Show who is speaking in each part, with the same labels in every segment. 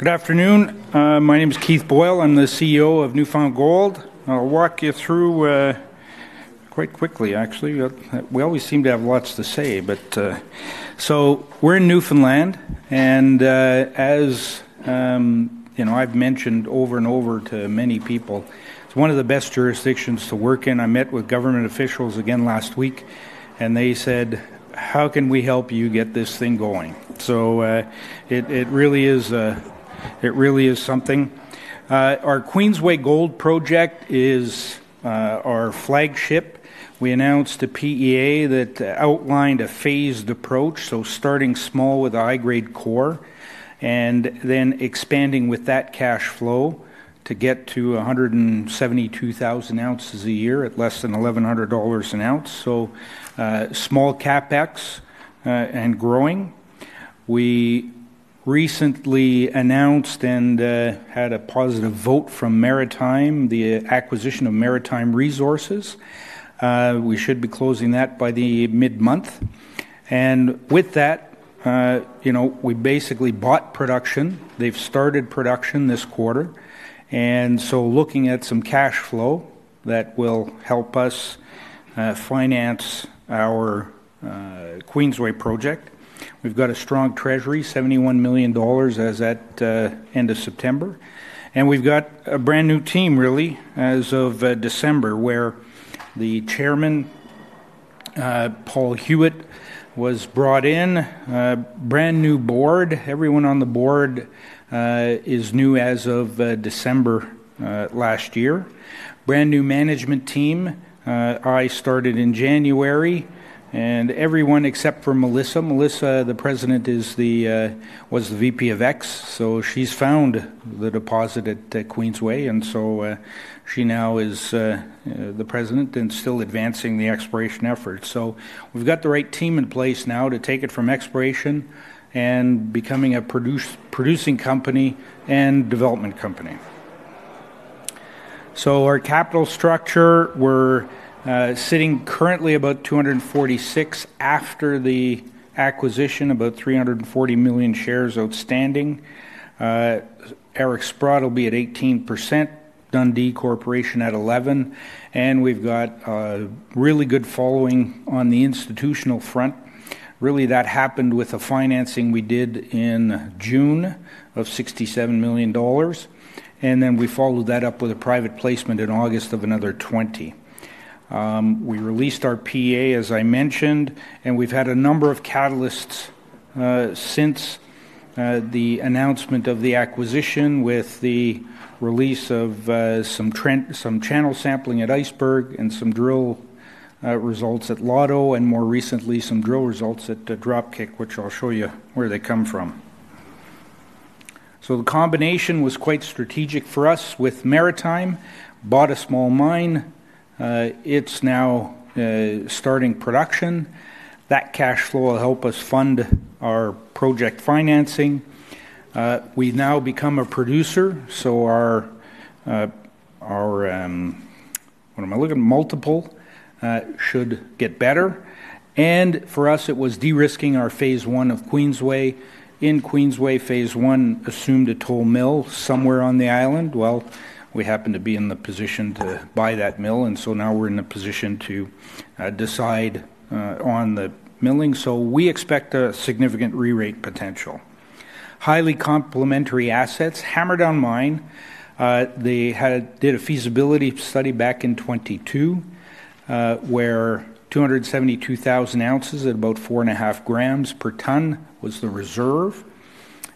Speaker 1: Good afternoon. My name is Keith Boyle. I'm the CEO of New Found Gold. I'll walk you through quite quickly, actually. We always seem to have lots to say, but we are in Newfoundland, and as I've mentioned over and over to many people, it's one of the best jurisdictions to work in. I met with government officials again last week, and they said, "How can we help you get this thing going?" It really is something. Our Queensway Gold Project is our flagship. We announced a Preliminary Economic Assessment that outlined a phased approach, starting small with a high-grade core and then expanding with that cash flow to get to 172,000 oz a year at less than $1,100 an ounce. Small CapEx and growing. We recently announced and had a positive vote from Maritime, the acquisition of Maritime Resources. We should be closing that by the mid-month. With that, we basically bought production. They have started production this quarter. Looking at some cash flow that will help us finance our Queensway project. We have a strong treasury, 71 million dollars as at the end of September. We have a brand new team, really, as of December, where the Chairman, Paul Huet, was brought in, brand new board. Everyone on the board is new as of December last year. Brand new management team. I started in January, and everyone except for Melissa. Melissa, the President, was the VP of Exploration, so she found the deposit at Queensway, and she now is the President and still advancing the exploration effort. We have the right team in place now to take it from exploration and becoming a producing company and development company. Our capital structure, we're sitting currently about 246 after the acquisition, about 340 million shares outstanding. Eric Sprott will be at 18%, Dundee Corporation at 11%, and we've got really good following on the institutional front. Really, that happened with the financing we did in June of $67 million, and then we followed that up with a private placement in August of another $20 million. We released our PEA, as I mentioned, and we've had a number of catalysts since the announcement of the acquisition with the release of some channel sampling at Iceberg and some drill results at Lotto, and more recently, some drill results at Dropkick, which I'll show you where they come from. The combination was quite strategic for us with Maritime. Bought a small mine. It's now starting production. That cash flow will help us fund our project financing. We've now become a producer, so our—what am I looking at?—multiple should get better. For us, it was de-risking our Phase 1 of Queensway. In Queensway, Phase 1 assumed a toll mill somewhere on the island. We happen to be in the position to buy that mill, and now we're in the position to decide on the milling. We expect a significant re-rate potential. Highly complementary assets. Hammerdown Mine, they did a feasibility study back in 2022 where 272,000 oz at about 4.5 g per ton was the reserve,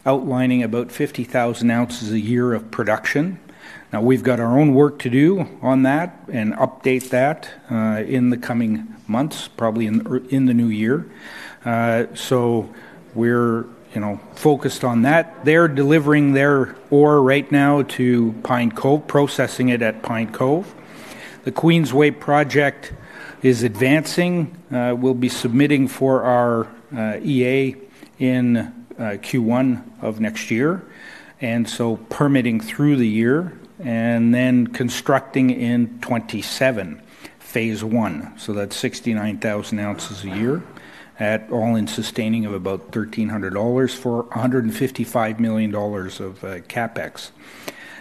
Speaker 1: outlining about 50,000 oz a year of production. Now, we've got our own work to do on that and update that in the coming months, probably in the new year. We're focused on that. They're delivering their ore right now to Pine Cove, processing it at Pine Cove. The Queensway project is advancing. We'll be submitting for our EA in Q1 of next year, and so permitting through the year and then constructing in 2027 Phase 1. That's 69,000 oz a year at all-in sustaining of about $1,300 for 155 million dollars of capex.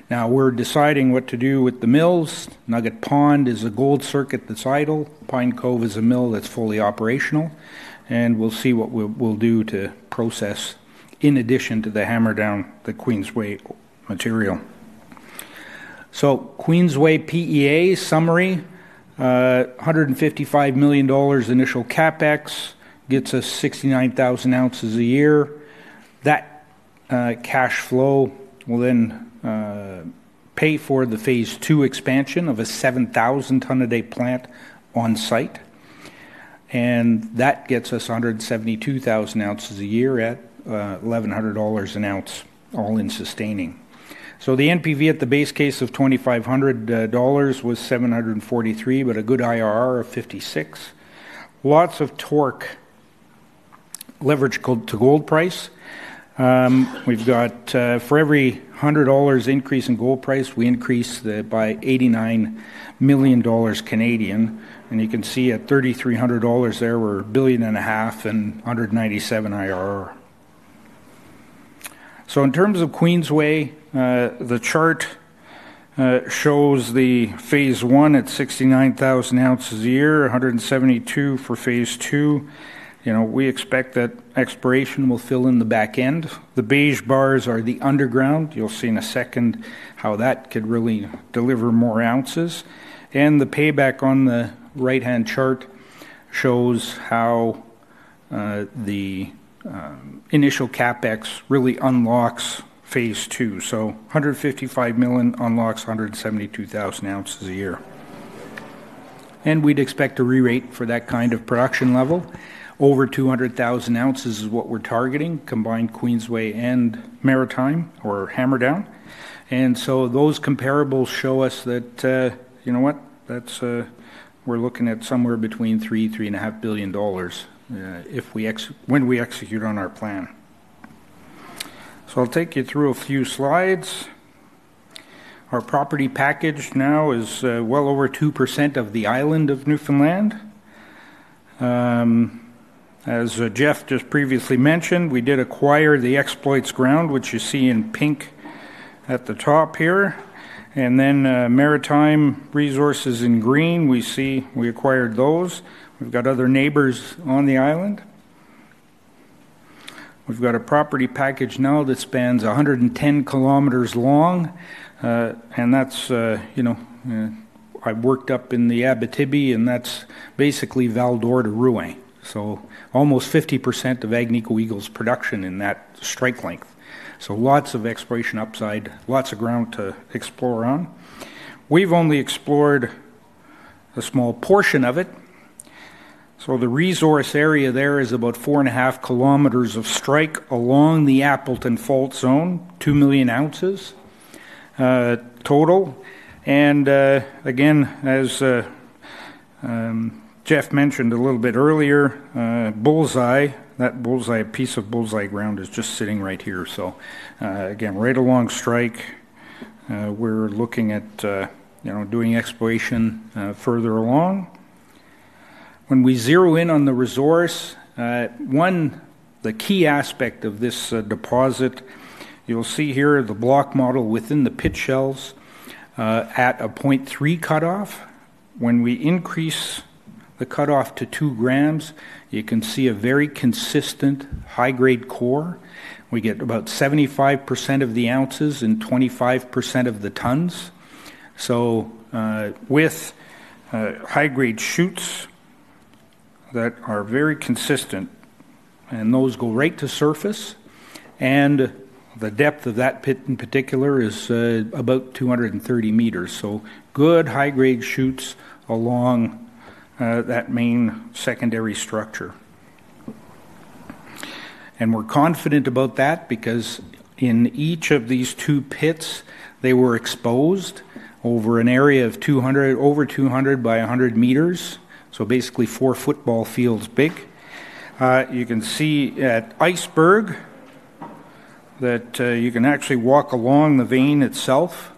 Speaker 1: Now, we're deciding what to do with the mills. Nugget Pond is a gold circuit that's idle. Pine Cove is a mill that's fully operational, and we'll see what we'll do to process in addition to the Hammerdown, the Queensway material. Queensway PEA summary, 155 million dollars initial capex gets us 69,000 oz a year. That cash flow will then pay for the Phase 2 expansion of a 7,000-ton-a-day plant on site, and that gets us 172,000 oz a year at $1,100 an ounce, all-in sustaining. The NPV at the base case of $2,500 was 743, but a good IRR of 56. Lots of torque leverage to gold price. We've got for every $100 increase in gold price, we increase by 89 million Canadian dollars, and you can see at $3,300 there, we're a billion and a half and 197% IRR. In terms of Queensway, the chart shows the Phase 1 at 69,000 oz a year, 172,000 for Phase 2. We expect that exploration will fill in the back end. The beige bars are the underground. You'll see in a second how that could really deliver more ounces. The payback on the right-hand chart shows how the initial CapEx really unlocks Phase 2. 155 million unlocks 172,000 oz a year. We'd expect a re-rate for that kind of production level. Over 200,000 oz is what we're targeting, combined Queensway and Maritime or Hammerdown. Those comparables show us that, you know what, we're looking at somewhere between $3 billion-$3.5 billion when we execute on our plan. I'll take you through a few slides. Our property package now is well over 2% of the island of Newfoundland. As Jeff just previously mentioned, we did acquire the Exploits Discovery ground, which you see in pink at the top here, and then Maritime Resources in green. We see we acquired those. We've got other neighbors on the island. We've got a property package now that spans 110 km long, and that's I've worked up in the Abitibi, and that's basically Val-d'Or to Rouyn, so almost 50% of Agnico Eagle's production in that strike length. Lots of exploration upside, lots of ground to explore on. We've only explored a small portion of it. The resource area there is about 4.5 km of strike along the Appleton Fault Zone, 2 million oz total. Again, as Jeff mentioned a little bit earlier, Bullseye, that piece of Bullseye ground is just sitting right here. Again, right along strike, we're looking at doing exploition further along. When we zero in on the resource, one key aspect of this deposit, you'll see here the block model within the pit shells at a 0.3 cutoff. When we increase the cutoff to 2 g, you can see a very consistent high-grade core. We get about 75% of the ounces and 25% of the tons. With high-grade chutes that are very consistent, and those go right to surface, the depth of that pit in particular is about 230 m. Good high-grade chutes along that main secondary structure. We're confident about that because in each of these two pits, they were exposed over an area of over 200 m by 100 m, so basically four football fields big. You can see at Iceberg that you can actually walk along the vein itself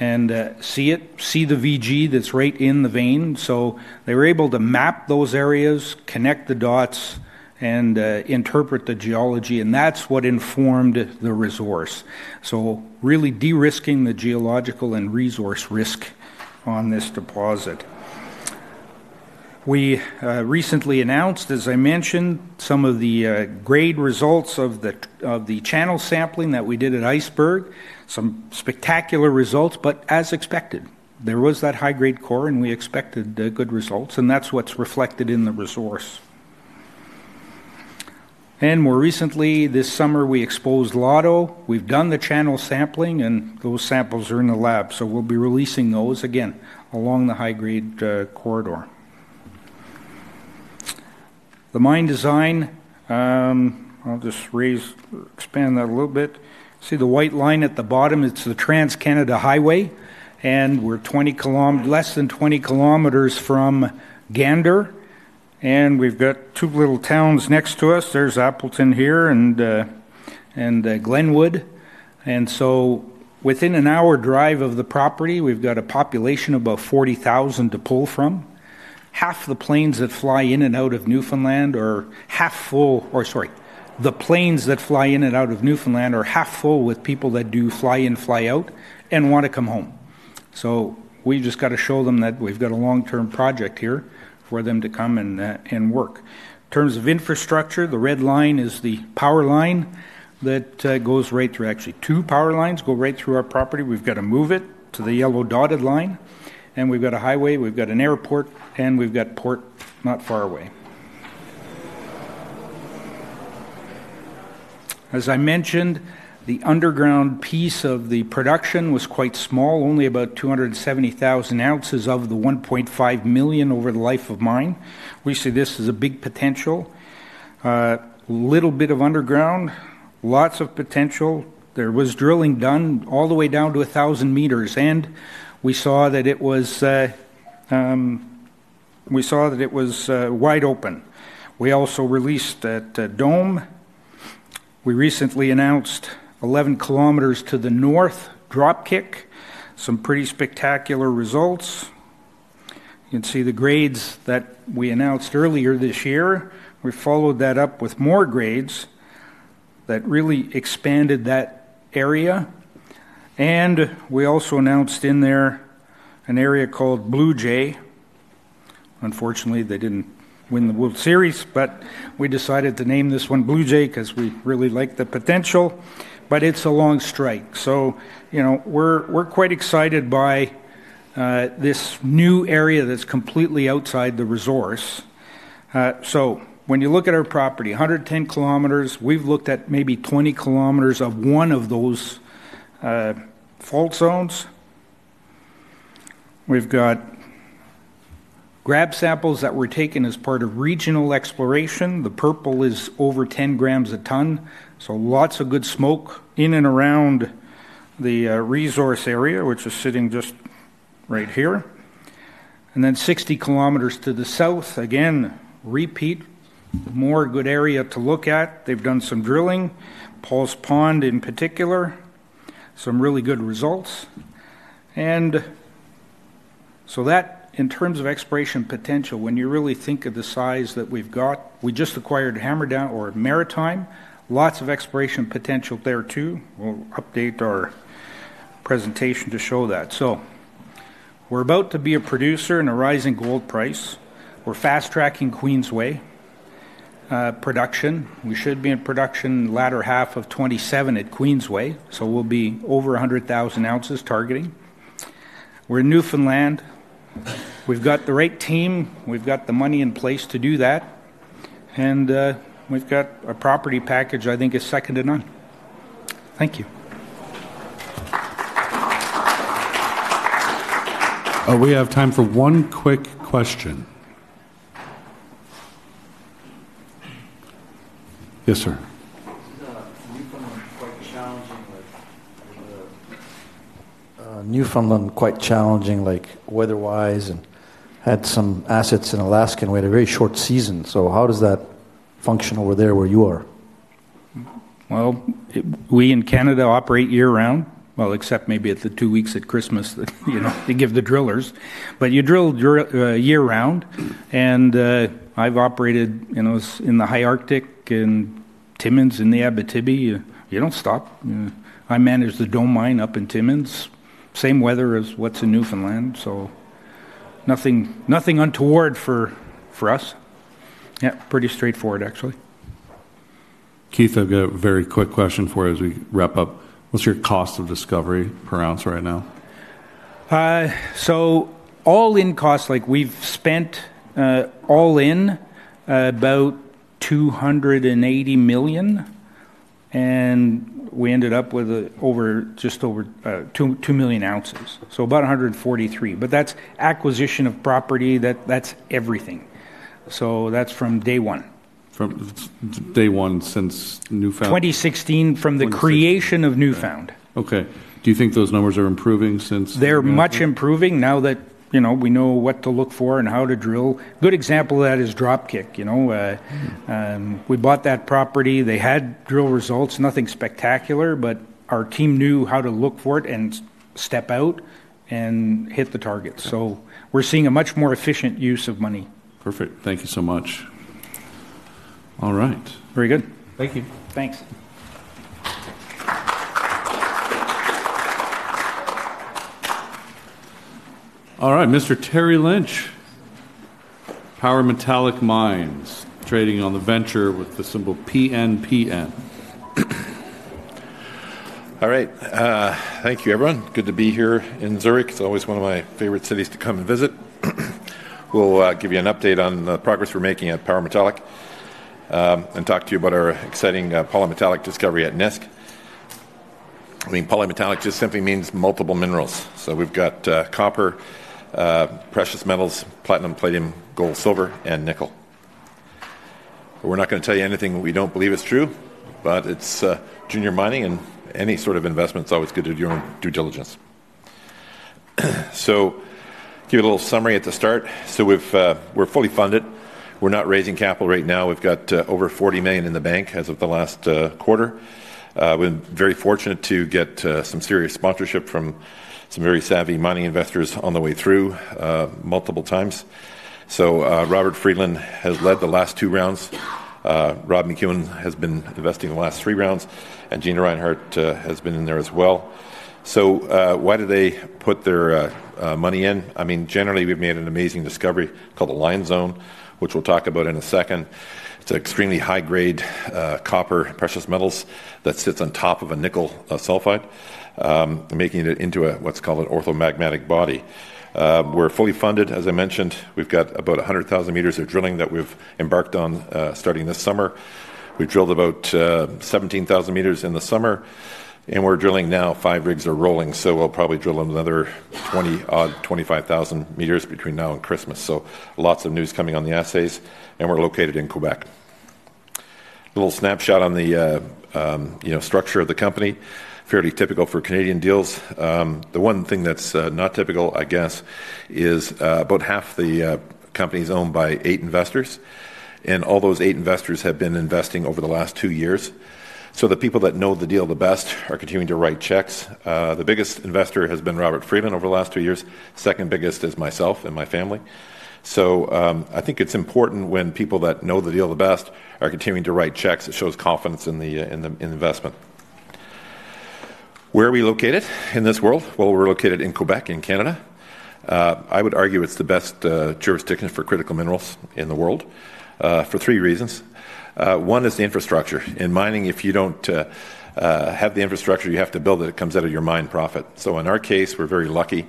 Speaker 1: and see it, see the VG that's right in the vein. They were able to map those areas, connect the dots, and interpret the geology, and that's what informed the resource. Really de-risking the geological and resource risk on this deposit. We recently announced, as I mentioned, some of the grade results of the channel sampling that we did at Iceberg, some spectacular results, but as expected, there was that high-grade core, and we expected good results, and that's what's reflected in the resource. More recently, this summer, we exposed Lotto, we've done the channel sampling, and those samples are in the lab, so we'll be releasing those again along the high-grade corridor. The mine design, I'll just expand that a little bit. See the white line at the bottom? It's the Trans Canada Highway, and we're less than 20 km from Gander, and we've got two little towns next to us. There's Appleton here and Glenwood, and so within an hour drive of the property, we've got a population of about 40,000 to pull from. Half the planes that fly in and out of Newfoundland are half full, or sorry, the planes that fly in and out of Newfoundland are half full with people that do fly in, fly out, and want to come home. We just got to show them that we've got a long-term project here for them to come and work. In terms of infrastructure, the red line is the power line that goes right through, actually two power lines go right through our property. We've got to move it to the yellow dotted line, and we've got a highway, we've got an airport, and we've got port not far away. As I mentioned, the underground piece of the production was quite small, only about 270,000 oz of the 1.5 million oz over the life of mine. We see this as a big potential. Little bit of underground, lots of potential. There was drilling done all the way down to 1,000 m, and we saw that it was wide open. We also released at Dome. We recently announced 11 km to the north, Dropkick, some pretty spectacular results. You can see the grades that we announced earlier this year. We followed that up with more grades that really expanded that area, and we also announced in there an area called Blue Jay. Unfortunately, they did not win the World Series, but we decided to name this one Blue Jay because we really like the potential, but it is a long strike. We are quite excited by this new area that is completely outside the resource. When you look at our property, 110 km, we have looked at maybe 20 km of one of those fault zones. We have got grab samples that were taken as part of regional exploration. The purple is over 10 g a ton, so lots of good smoke in and around the resource area, which is sitting just right here. Then 60 km to the south, again, repeat, more good area to look at. They've done some drilling, Paul's Pond in particular, some really good results. That, in terms of exploration potential, when you really think of the size that we've got, we just acquired Hammerdown or Maritime, lots of exploration potential there too. We'll update our presentation to show that. We're about to be a producer and a rising gold price. We're fast-tracking Queensway production. We should be in production in the latter half of 2027 at Queensway, so we'll be over 100,000 oz targeting. We're in Newfoundland. We've got the right team. We've got the money in place to do that, and we've got a property package, I think, as second to none. Thank you.
Speaker 2: We have time for one quick question. Yes, sir.
Speaker 3: Newfoundland is quite challenging, like weather-wise, and had some assets in Alaska and we had a very short season. How does that function over there where you are?
Speaker 1: We in Canada operate year-round, except maybe at the two weeks at Christmas to give the drillers. You drill year-round, and I have operated in the High Arctic and Timmins and the Abitibi. You do not stop. I manage the Dome Mine up in Timmins. Same weather as what is in Newfoundland, so nothing untoward for us. Yeah, pretty straightforward, actually.
Speaker 3: Keith, I have got a very quick question for you as we wrap up. What is your cost of discovery per ounce right now?
Speaker 1: All-in cost, like we have spent all-in about 280 million, and we ended up with just over 2 million oz, so about 143. That is acquisition of property. That is everything. That is from day one.
Speaker 3: From day one since Newfoundland?
Speaker 1: 2016, from the creation of New Found Gold.
Speaker 3: Okay. Do you think those numbers are improving since?
Speaker 1: They're much improving now that we know what to look for and how to drill. Good example of that is Dropkick. We bought that property. They had drill results, nothing spectacular, but our team knew how to look for it and step out and hit the target. So we're seeing a much more efficient use of money.
Speaker 3: Perfect. Thank you so much.
Speaker 2: All right. Very good. Thank you.
Speaker 1: Thanks.
Speaker 2: All right, Mr. Terry Lynch, Power Metallic Mines, trading on the venture with the symbol PNPN.
Speaker 4: All right. Thank you, everyone. Good to be here in Zurich. It's always one of my favorite cities to come and visit. We'll give you an update on the progress we're making at Power Metallic and talk to you about our exciting polymetallic discovery at Nisk. I mean, polymetallic just simply means multiple minerals. We've got copper, precious metals, platinum, palladium, gold, silver, and nickel. We're not going to tell you anything we don't believe is true, but it's junior mining, and any sort of investment is always good to do your own due diligence. I'll give you a little summary at the start. We're fully funded. We're not raising capital right now. We've got over 40 million in the bank as of the last quarter. We've been very fortunate to get some serious sponsorship from some very savvy mining investors on the way through multiple times. Robert Friedland has led the last two rounds. Rob McEwen has been investing in the last three rounds, and Gina Rinehart has been in there as well. Why did they put their money in? I mean, generally, we've made an amazing discovery called the Lion Zone, which we'll talk about in a second. It's an extremely high-grade copper, precious metals that sits on top of a nickel sulfide, making it into what's called an orthomagmatic body. We're fully funded, as I mentioned. We've got about 100,000 m of drilling that we've embarked on starting this summer. We drilled about 17,000 m in the summer, and we're drilling now. Five rigs are rolling, so we'll probably drill another 20,000 m-25,000 m between now and Christmas. Lots of news coming on the assays, and we're located in Quebec. A little snapshot on the structure of the company, fairly typical for Canadian deals. The one thing that's not typical, I guess, is about half the company is owned by eight investors, and all those eight investors have been investing over the last two years. The people that know the deal the best are continuing to write checks. The biggest investor has been Robert Friedland over the last two years. Second biggest is myself and my family. I think it's important when people that know the deal the best are continuing to write checks. It shows confidence in the investment. Where are we located in this world? We are located in Quebec, in Canada. I would argue it's the best jurisdiction for critical minerals in the world for three reasons. One is the infrastructure. In mining, if you don't have the infrastructure, you have to build it. It comes out of your mine profit. In our case, we're very lucky.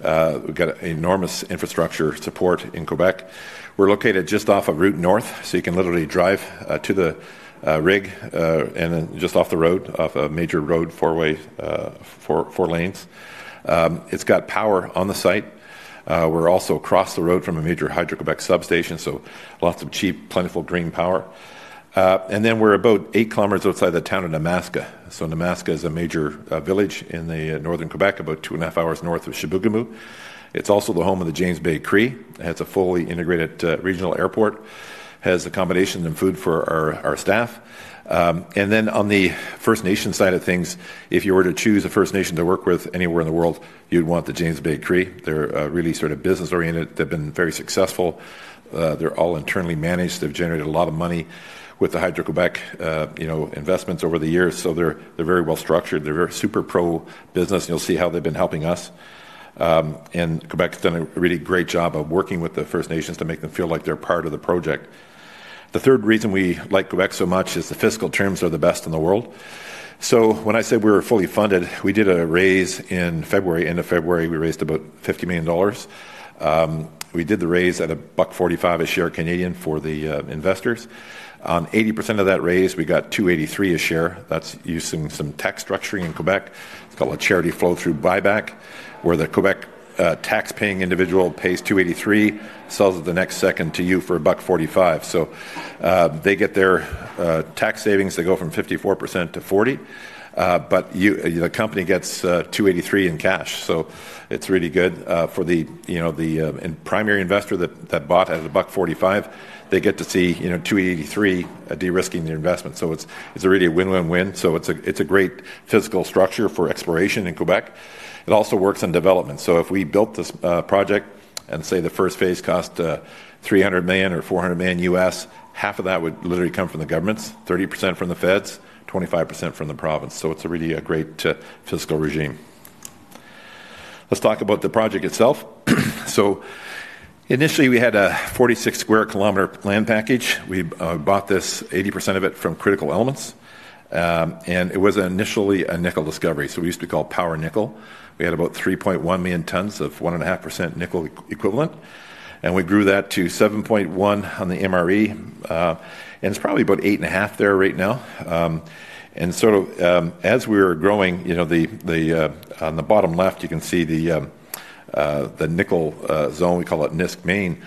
Speaker 4: We've got enormous infrastructure support in Quebec. We're located just off of Route North, so you can literally drive to the rig and then just off the road, off a major road, four lanes. It's got power on the site. We're also across the road from a major Hydro-Quebec substation, so lots of cheap, plentiful green power. We are about 8 km outside the town of Nemaska. Nemaska is a major village in northern Quebec, about two and a half hours north of Chibougamau. It is also the home of the James Bay Cree. It has a fully integrated regional airport, has accommodation and food for our staff. On the First Nation side of things, if you were to choose a First Nation to work with anywhere in the world, you would want the James Bay Cree. They are really sort of business-oriented. They have been very successful. They are all internally managed. They have generated a lot of money with the Hydro-Quebec investments over the years, so they are very well structured. They are very super pro-business, and you will see how they have been helping us. Quebec's done a really great job of working with the First Nations to make them feel like they're part of the project. The third reason we like Quebec so much is the fiscal terms are the best in the world. When I say we were fully funded, we did a raise in February. End of February, we raised about 50 million dollars. We did the raise at 1.45 a share for the investors. On 80% of that raise, we got 2.83 a share. That's using some tax structuring in Quebec. It's called a charity flow-through buyback, where the Quebec tax-paying individual pays 2.83, sells it the next second to you for 1.45. They get their tax savings. They go from 54% to 40%, but the company gets 2.83 in cash. It's really good for the primary investor that bought at $1.45. They get to see $2.83 de-risking their investment. It's really a win-win-win. It's a great fiscal structure for exploration in Quebec. It also works on development. If we built this project and say the first phase cost $300 million or $400 million US, half of that would literally come from the governments, 30% from the Feds, 25% from the province. It's really a great fiscal regime. Let's talk about the project itself. Initially, we had a 46 sq km land package. We bought 80% of it from Critical Elements, and it was initially a nickel discovery. We used to be called Power Nickel. We had about 3.1 million tons of 1.5% nickel equivalent, and we grew that to 7.1 on the MRE. It's probably about 8.5 there right now. As we were growing, on the bottom left, you can see the nickel zone. We call it Nisk Main.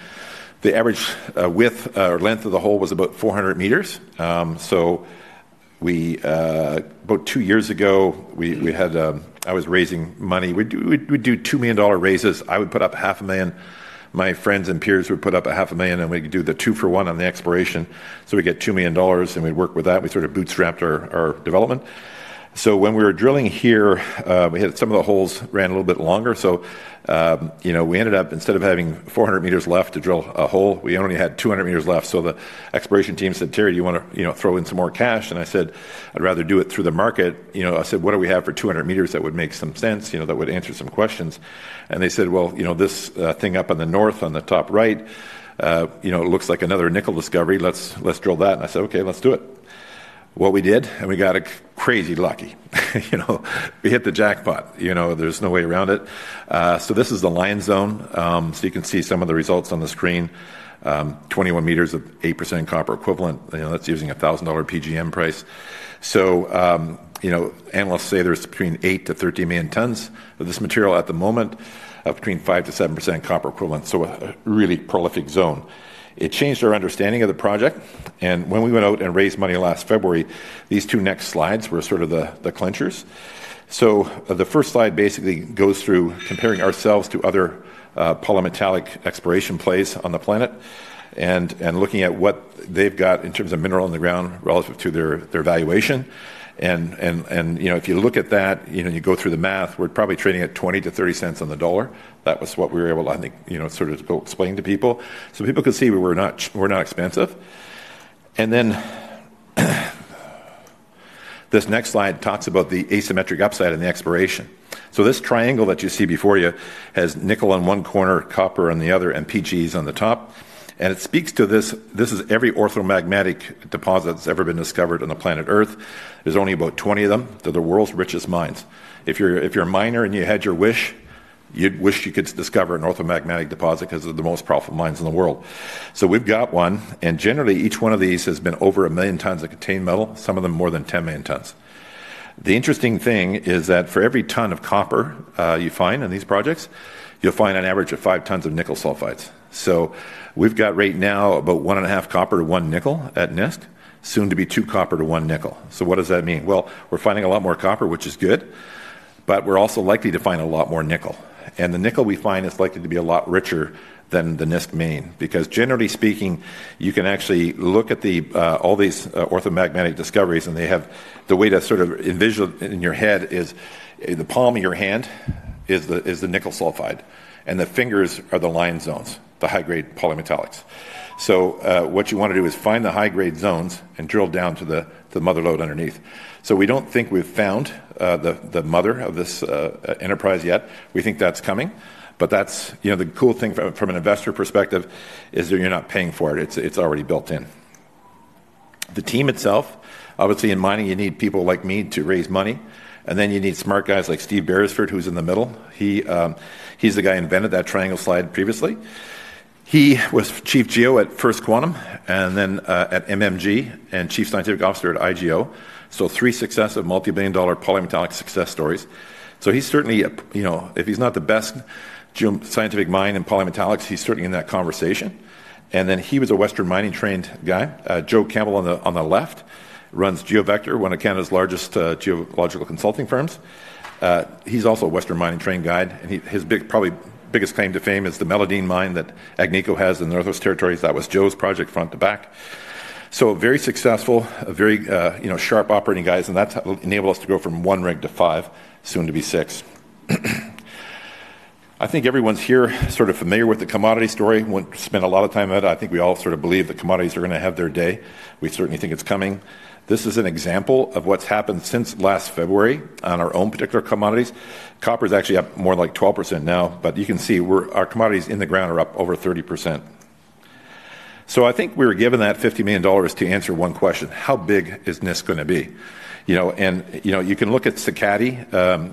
Speaker 4: The average width or length of the hole was about 400 m. About two years ago, I was raising money. We'd do 2 million dollar raises. I would put up 500,000. My friends and peers would put up 500,000, and we'd do the two-for-one on the exploration. We get 2 million dollars, and we'd work with that. We sort of bootstrapped our development. When we were drilling here, some of the holes ran a little bit longer. We ended up, instead of having 400 m left to drill a hole, we only had 200 m left. The exploration team said, "Terry, do you want to throw in some more cash?" I said, "I'd rather do it through the market." I said, "What do we have for 200 m that would make some sense, that would answer some questions?" They said, "Well, this thing up on the north, on the top right, it looks like another nickel discovery. Let's drill that." I said, "Okay, let's do it." We did, and we got crazy lucky. We hit the jackpot. There is no way around it. This is the Lion Zone. You can see some of the results on the screen. 21 m of 8% copper equivalent. That is using a $1,000 PGM price. Analysts say there is between 8 million tons-13 million tons of this material at the moment, between 5%-7% copper equivalent. A really prolific zone. It changed our understanding of the project. When we went out and raised money last February, these two next slides were sort of the clinchers. The first slide basically goes through comparing ourselves to other polymetallic exploration plays on the planet and looking at what they have got in terms of mineral in the ground relative to their valuation. If you look at that and you go through the math, we are probably trading at 20 cents-30 cents on the dollar. That was what we were able to, I think, sort of explain to people. People could see we are not expensive. This next slide talks about the asymmetric upside in the exploration. This triangle that you see before you has nickel on one corner, copper on the other, and PGs on the top. It speaks to this: this is every orthomagmatic deposit that has ever been discovered on the planet Earth. There are only about 20 of them. They are the world's richest mines. If you are a miner and you had your wish, you would wish you could discover an orthomagmatic deposit because they are the most powerful mines in the world. We have got one. Generally, each one of these has been over 1 million tons of contained metal, some of them more than 10 million tons. The interesting thing is that for every ton of copper you find in these projects, you will find an average of 5 tons of nickel sulfides. We have got right now about 1.5 copper to 1 nickel at Nisk, soon to be 2 copper to 1 nickel. What does that mean? We're finding a lot more copper, which is good, but we're also likely to find a lot more nickel. And the nickel we find is likely to be a lot richer than the Nisk Main because, generally speaking, you can actually look at all these orthomagmatic discoveries, and the way to sort of envision it in your head is the palm of your hand is the nickel sulfide, and the fingers are the Lion Zone, the high-grade polymetallics. So what you want to do is find the high-grade zones and drill down to the mother lode underneath. We do not think we've found the mother of this enterprise yet. We think that's coming. The cool thing from an investor perspective is that you're not paying for it. It's already built in. The team itself, obviously, in mining, you need people like me to raise money. You need smart guys like Steve Beresford, who's in the middle. He's the guy who invented that triangle slide previously. He was Chief Geologist at First Quantum and then at MMG and Chief Scientific Officer at IGO. Three successive multi-billion-dollar polymetallic success stories. If he's not the best scientific mind in polymetallics, he's certainly in that conversation. He was a Western Mining-trained guy. Joe Campbell on the left runs GeoVector, one of Canada's largest geological consulting firms. He's also a Western Mining-trained guy. His probably biggest claim to fame is the Meliadine Mine that Agnico Eagle has in the Northwest Territories. That was Joe's project, front to back. Very successful, very sharp operating guys. That's enabled us to go from one rig to five, soon to be six. I think everyone's here sort of familiar with the commodity story. We spent a lot of time at it. I think we all sort of believe the commodities are going to have their day. We certainly think it is coming. This is an example of what has happened since last February on our own particular commodities. Copper is actually up more than 12% now, but you can see our commodities in the ground are up over 30%. I think we were given that $50 million to answer one question: how big is Nisk going to be? You can look at Sakatti.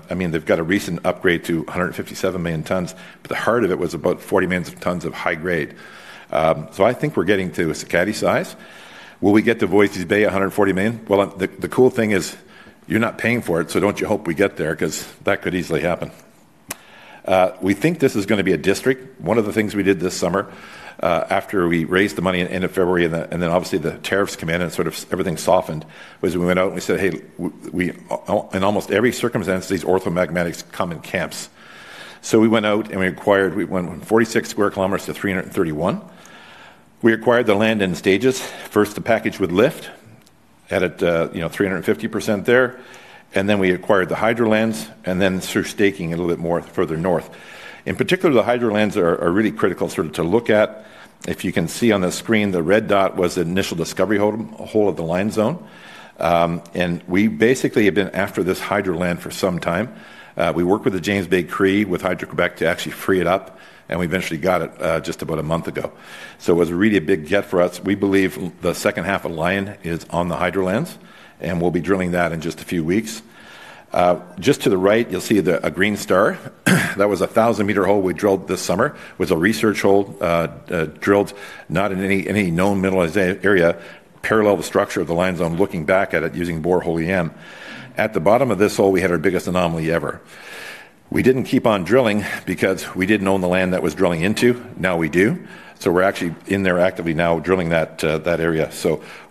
Speaker 4: I mean, they have got a recent upgrade to 157 million tons, but the heart of it was about 40 million tons of high-grade. I think we are getting to a Sakatti size. Will we get to Voisey's Bay, 140 million? The cool thing is you're not paying for it, so don't you hope we get there because that could easily happen. We think this is going to be a district. One of the things we did this summer after we raised the money at the end of February and then, obviously, the tariffs came in and sort of everything softened was we went out and we said, "Hey, in almost every circumstance, these orthomagmatics come in camps." We went out and we acquired 46 sq km to 331. We acquired the land in stages. First, the package would lift at 350% there, and then we acquired the hydro lands and then through staking a little bit more further north. In particular, the hydro lands are really critical sort of to look at. If you can see on the screen, the red dot was the initial discovery hole of the Lion Zone. We basically have been after this hydro land for some time. We worked with the James Bay Cree, with Hydro-Quebec to actually free it up, and we eventually got it just about a month ago. It was really a big get for us. We believe the second half of Lion is on the hydro lands, and we will be drilling that in just a few weeks. Just to the right, you will see a green star. That was a 1,000 m hole we drilled this summer. It was a research hole drilled not in any known mineral area, parallel to the structure of the Lion Zone, looking back at it using borehole EM. At the bottom of this hole, we had our biggest anomaly ever. We did not keep on drilling because we did not own the land that was drilling into. Now we do. We are actually in there actively now drilling that area.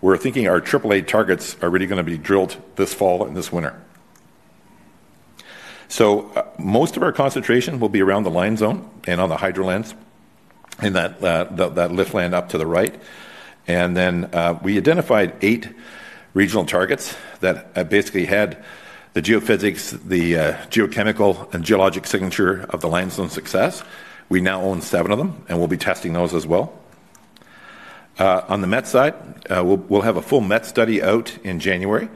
Speaker 4: We are thinking our triple-A targets are really going to be drilled this fall and this winter. Most of our concentration will be around the Lion Zone and on the hydro lands in that lift land up to the right. We identified eight regional targets that basically had the geophysics, the geochemical, and geologic signature of the Lion Zone success. We now own seven of them, and we will be testing those as well. On the met side, we will have a full met study out in January.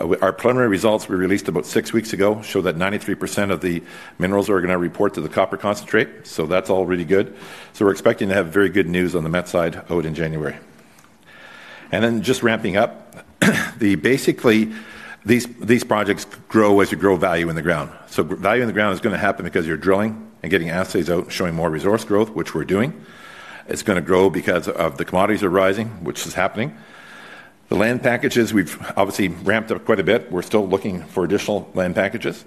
Speaker 4: Our preliminary results we released about six weeks ago show that 93% of the minerals are going to report to the copper concentrate. That is all really good. We're expecting to have very good news on the met side out in January. Then just ramping up, basically, these projects grow as you grow value in the ground. Value in the ground is going to happen because you're drilling and getting assays out and showing more resource growth, which we're doing. It's going to grow because the commodities are rising, which is happening. The land packages, we've obviously ramped up quite a bit. We're still looking for additional land packages.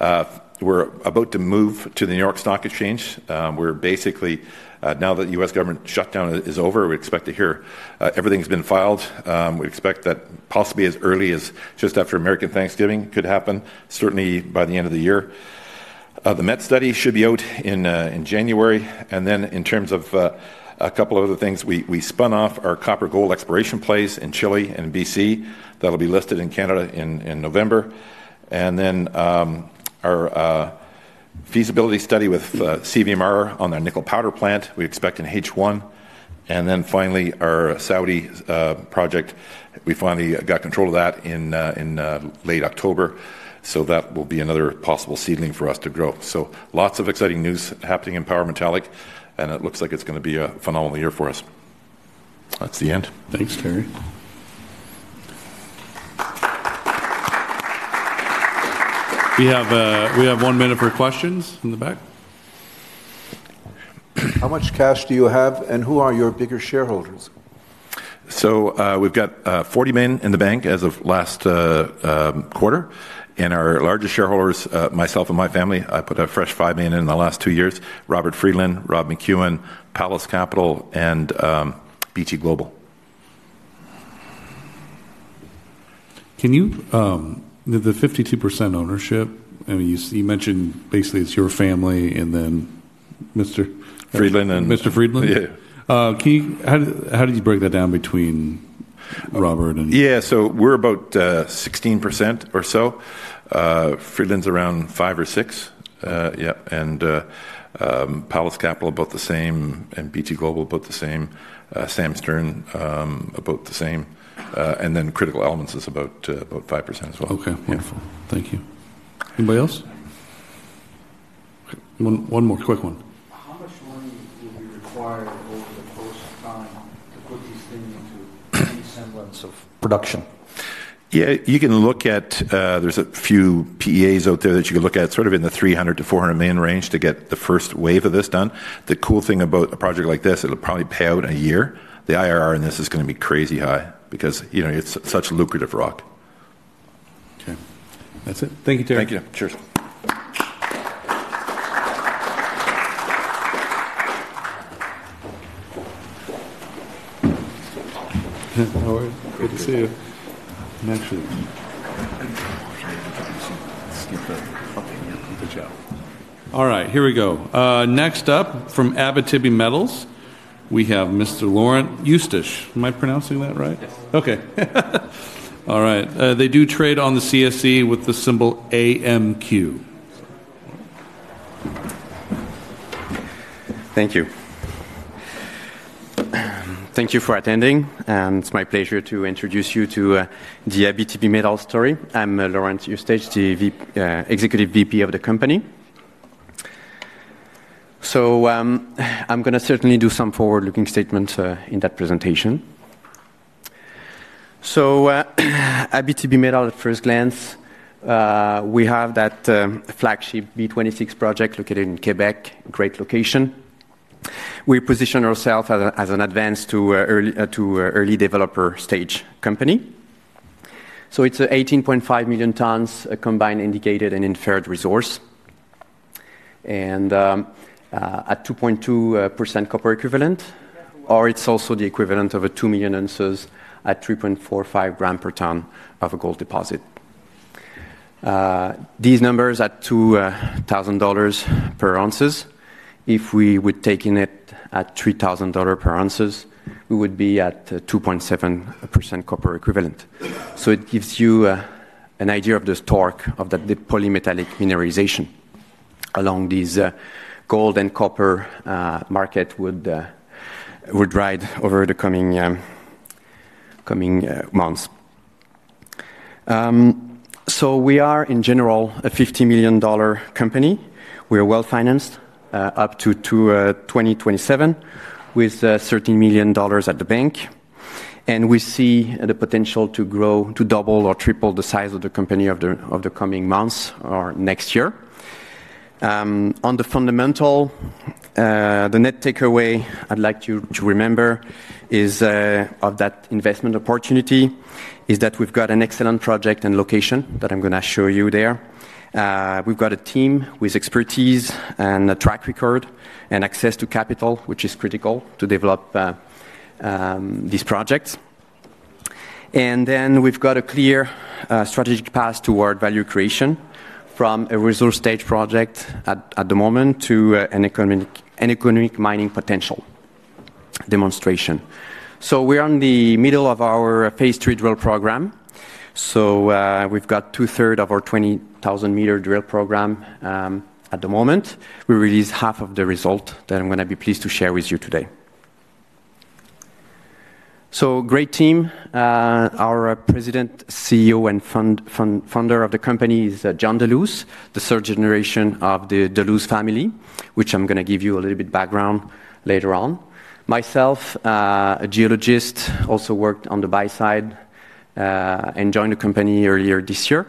Speaker 4: We're about to move to the New York Stock Exchange. Now that the U.S. government shutdown is over, we expect to hear everything's been filed. We expect that possibly as early as just after American Thanksgiving could happen, certainly by the end of the year. The met study should be out in January. In terms of a couple of other things, we spun off our copper gold exploration plays in Chile and BC that will be listed in Canada in November. Our feasibility study with CVMR on their nickel powder plant, we expect in H1. Finally, our Saudi project, we finally got control of that in late October. That will be another possible seedling for us to grow. Lots of exciting news happening in Power Metals, and it looks like it is going to be a phenomenal year for us. That is the end.
Speaker 2: Thanks, Terry. We have one minute for questions in the back.
Speaker 3: How much cash do you have, and who are your bigger shareholders?
Speaker 4: We have 40 million in the bank as of last quarter. Our largest shareholders, myself and my family, I put a fresh 5 million in the last two years: Robert Friedland, Rob McEwen, Palace Capital, and BT Global.
Speaker 3: Can you, the 52% ownership, you mentioned basically it's your family and then.
Speaker 4: Mr. Friedland and.
Speaker 3: Mr. Friedland?
Speaker 4: Yeah.
Speaker 3: How did you break that down between Robert and? Yeah. So we're about 16% or so. Friedland's around 5% or 6%. Yeah. Palace Capital, about the same, and BT Global, about the same. Sam Stern, about the same. Critical Elements is about 5% as well. Okay. Wonderful. Thank you.
Speaker 2: Anybody else? One more quick one.
Speaker 3: How much money will be required over the course of time to put these things into any semblance of production?
Speaker 4: Yeah. You can look at there's a few PEAs out there that you can look at sort of in the $300 million-$400 million range to get the first wave of this done. The cool thing about a project like this, it'll probably pay out in a year. The IRR in this is going to be crazy high because it's such a lucrative rock.
Speaker 3: Okay. That's it. Thank you, Terry.
Speaker 4: Thank you. Cheers.
Speaker 2: How are you? Good to see you. Actually, I'm going to try to get some stuff up in here from the chat. All right. Here we go. Next up from Abitibi Metals, we have Mr. Laurent Eustache. Am I pronouncing that right?
Speaker 5: Yes.
Speaker 2: Okay. All right. They do trade on the CSE with the symbol AMQ. Thank you.
Speaker 5: Thank you for attending. It's my pleasure to introduce you to the Abitibi Metals story. I'm Laurent Eustache, the Executive VP of the company. I'm going to certainly do some forward-looking statements in that presentation. Abitibi Metals, at first glance, we have that flagship B26 Project located in Quebec, a great location. We position ourselves as an advanced to early developer stage company. It's an 18.5 million tons combined indicated and inferred resource at 2.2% copper equivalent, or it's also the equivalent of 2 million oz at 3.45 g per ton of a gold deposit. These numbers at $2,000 per ounce, if we were taking it at $3,000 per ounce, we would be at 2.7% copper equivalent. It gives you an idea of the torque of the polymetallic mineralization along these gold and copper markets would ride over the coming months. We are, in general, a $50 million company. We are well-financed up to 2027 with $13 million at the bank. We see the potential to grow to double or triple the size of the company over the coming months or next year. On the fundamental, the net takeaway I'd like you to remember of that investment opportunity is that we've got an excellent project and location that I'm going to show you there. We've got a team with expertise and a track record and access to capital, which is critical to develop these projects. We've got a clear strategic path toward value creation from a resource-stage project at the moment to an economic mining potential demonstration. We're in the middle of our Phase 3 drill program. We've got 2/3 of our 20,000 m drill program at the moment. We released half of the result that I'm going to be pleased to share with you today. Great team. Our President, CEO, and founder of the company is John Deluce, the third generation of the Deluce family, which I'm going to give you a little bit of background later on. Myself, a geologist, also worked on the buy-side and joined the company earlier this year.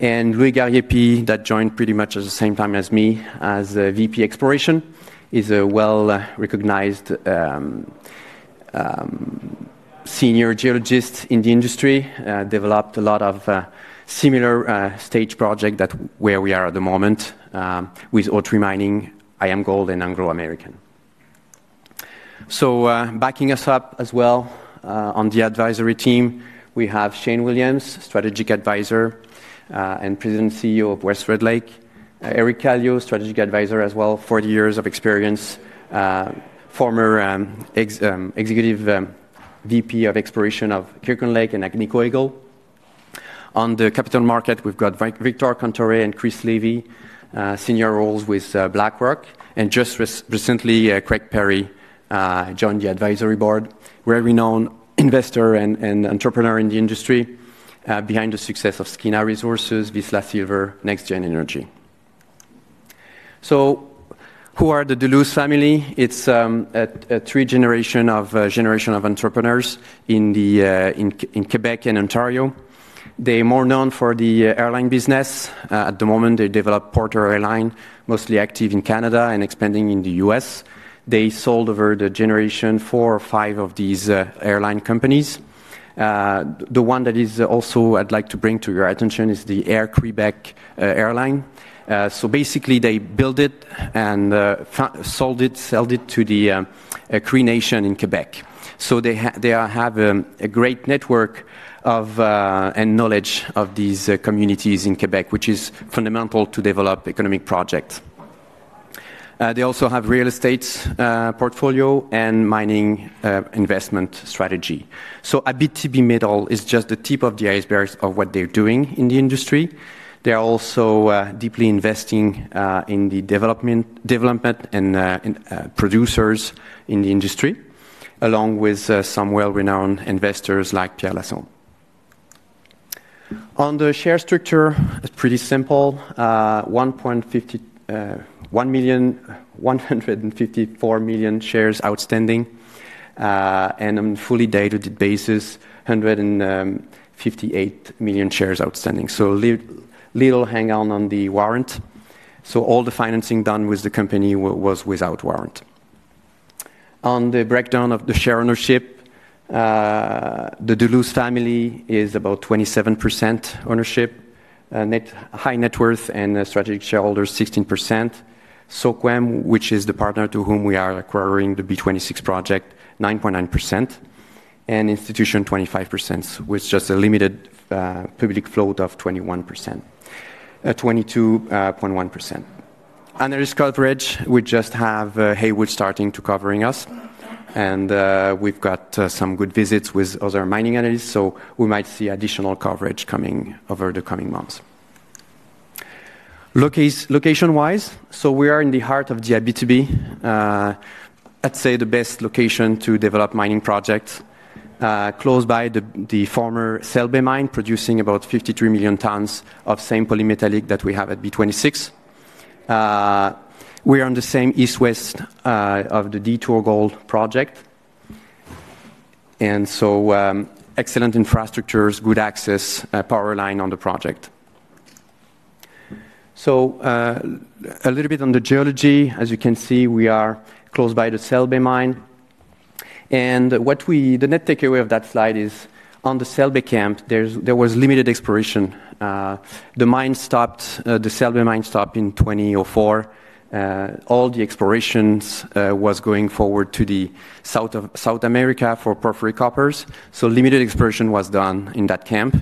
Speaker 5: And Louis Gariepy, that joined pretty much at the same time as me as VP Exploration, is a well-recognized senior geologist in the industry, developed a lot of similar stage projects where we are at the moment with O3 Mining, IAMGOLD, and Anglo American. Backing us up as well on the advisory team, we have Shane Williams, Strategic Advisor and President, CEO of West Red Lake. Eric Callio, Strategic Advisor as well, 40 years of experience, former Executive VP of Exploration of Kirkland Lake and Agnico Eagle. On the capital market, we've got Victor Contore and Chris Levy, senior roles with BlackRock. Just recently, Craig Perry joined the advisory board. Very renowned investor and entrepreneur in the industry behind the success of Skeena Resources, Vizsla Silver, NexGen Energy. Who are the Deluce family? It's a three-generation of entrepreneurs in Quebec and Ontario. They're more known for the airline business. At the moment, they developed Porter Airlines, mostly active in Canada and expanding in the US. They sold over the generation four or five of these airline companies. The one that is also I'd like to bring to your attention is the Air Quebec airline. Basically, they built it and sold it, sold it to the Cree Nation in Quebec. They have a great network and knowledge of these communities in Quebec, which is fundamental to develop economic projects. They also have a real estate portfolio and mining investment strategy. Abitibi Metals is just the tip of the iceberg of what they're doing in the industry. They're also deeply investing in the development and producers in the industry, along with some well-renowned investors like Pierre Lassonde. On the share structure, it's pretty simple. 154 million shares outstanding. On a fully diluted basis, 158 million shares outstanding. Little hang-on on the warrant. All the financing done with the company was without warrant. On the breakdown of the share ownership, the Deluce family is about 27% ownership, high net worth and strategic shareholders, 16%. SOQUEM, which is the partner to whom we are acquiring the B26 project, 9.9%. Institution, 25%, with just a limited public float of 21%, 22.1%. Under this coverage, we just have Haywood starting to cover us. We've got some good visits with other mining analysts. We might see additional coverage coming over the coming months. Location-wise, we are in the heart of the Abitibi. I'd say the best location to develop mining projects, close by the former Selbaie Mine, producing about 53 million tons of the same polymetallic that we have at B26. We are on the same east-west of the D2O Gold project. Excellent infrastructures, good access, power line on the project. A little bit on the geology. As you can see, we are close by the Selbaie Mine. The net takeaway of that slide is on the Selbaie camp, there was limited exploration. The Selbaie Mine stopped in 2004. All the explorations were going forward to South America for perfluorocoppers. So limited exploration was done in that camp.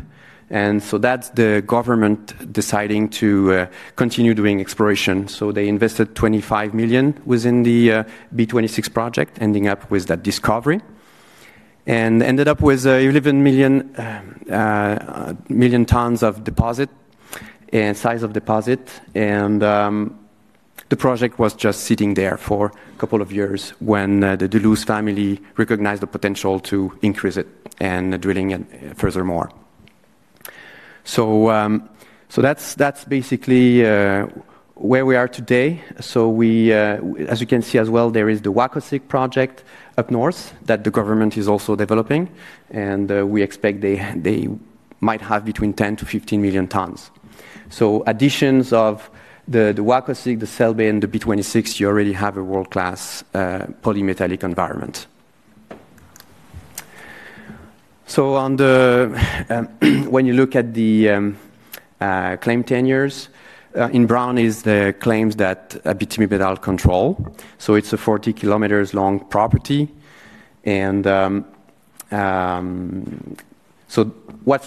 Speaker 5: And so that's the government deciding to continue doing exploration. So they invested 25 million within the B26 project, ending up with that discovery. And ended up with 11 million tons of deposit and size of deposit. And the project was just sitting there for a couple of years when the Deluce family recognized the potential to increase it and drilling furthermore. So that's basically where we are today. As you can see as well, there is the Wacosig project up north that the government is also developing. We expect they might have between 10 million tons-15 million tons. Additions of the Wacosig, the Selbaie, and the B26, you already have a world-class polymetallic environment. When you look at the claim tenures, in brown is the claims that Abitibi Metals control. It is a 40 km long property. What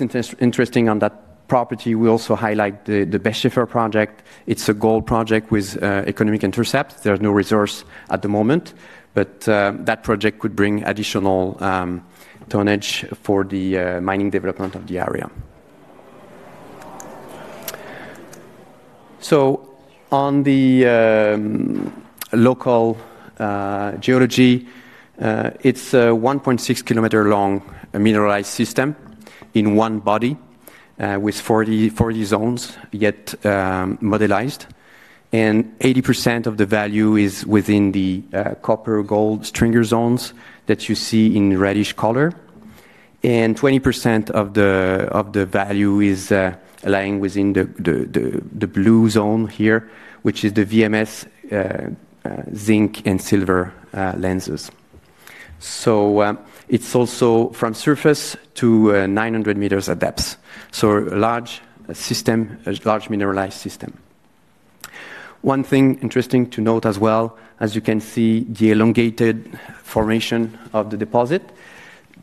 Speaker 5: is interesting on that property, we also highlight the Beschefer project. It is a gold project with economic intercept. There is no resource at the moment. That project could bring additional tonnage for the mining development of the area. On the local geology, it is a 1.6 km long mineralized system in one body with 40 zones yet modelized. 80% of the value is within the copper gold stringer zones that you see in reddish color. 20% of the value is lying within the blue zone here, which is the VMS zinc and silver lenses. It is also from surface to 900 m of depth. A large system, a large mineralized system. One thing interesting to note as well, as you can see the elongated formation of the deposit.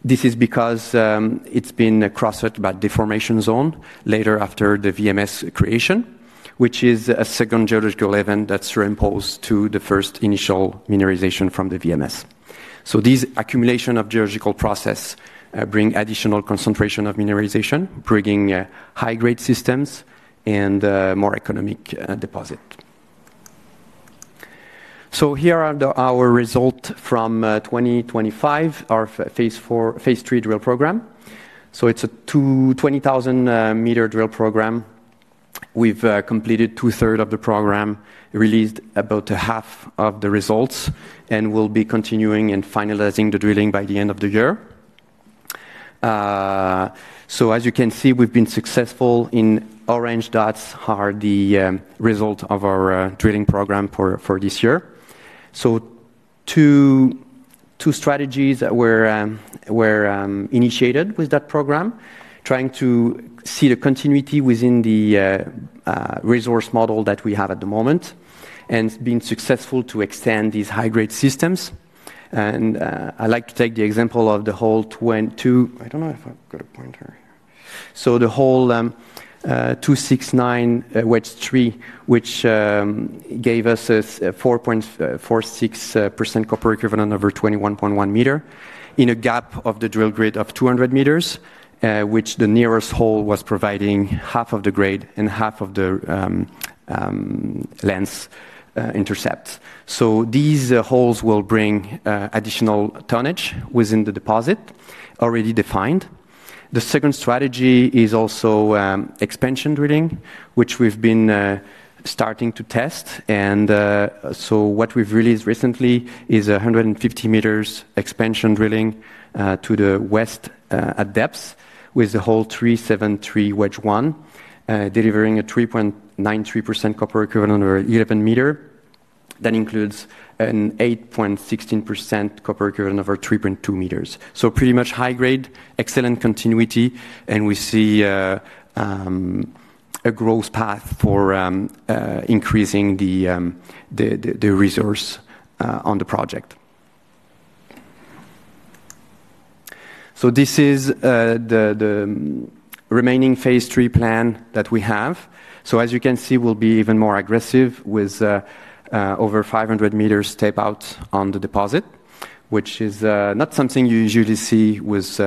Speaker 5: This is because it's been crossed by a deformation zone later after the VMS creation, which is a second geological event that's reimposed to the first initial mineralization from the VMS. These accumulation of geological process bring additional concentration of mineralization, bringing high-grade systems and more economic deposit. Here are our results from 2025, our Phase 3 drill program. It's a 20,000 m drill program. We've completed 2/3 of the program, released about half of the results, and we'll be continuing and finalizing the drilling by the end of the year. As you can see, we've been successful, and orange dots are the result of our drilling program for this year. Two strategies that were initiated with that program, trying to see the continuity within the resource model that we have at the moment and being successful to extend these high-grade systems. I like to take the example of the hole two—I do not know if I have a pointer here. The hole 269 wedge tree, which gave us a 4.46% copper equivalent over 21.1 m in a gap of the drill grid of 200 m, where the nearest hole was providing half of the grade and half of the length intercept. These holes will bring additional tonnage within the deposit already defined. The second strategy is also expansion drilling, which we have been starting to test. What we have released recently is a 150 m expansion drilling to the west at depth with the hole 373 wedge one, delivering a 3.93% copper equivalent over 11 m that includes an 8.16% copper equivalent over 3.2 m. Pretty much high-grade, excellent continuity. We see a growth path for increasing the resource on the project. This is the remaining Phase 3 plan that we have. As you can see, we will be even more aggressive with over 500 m tape out on the deposit, which is not something you usually see with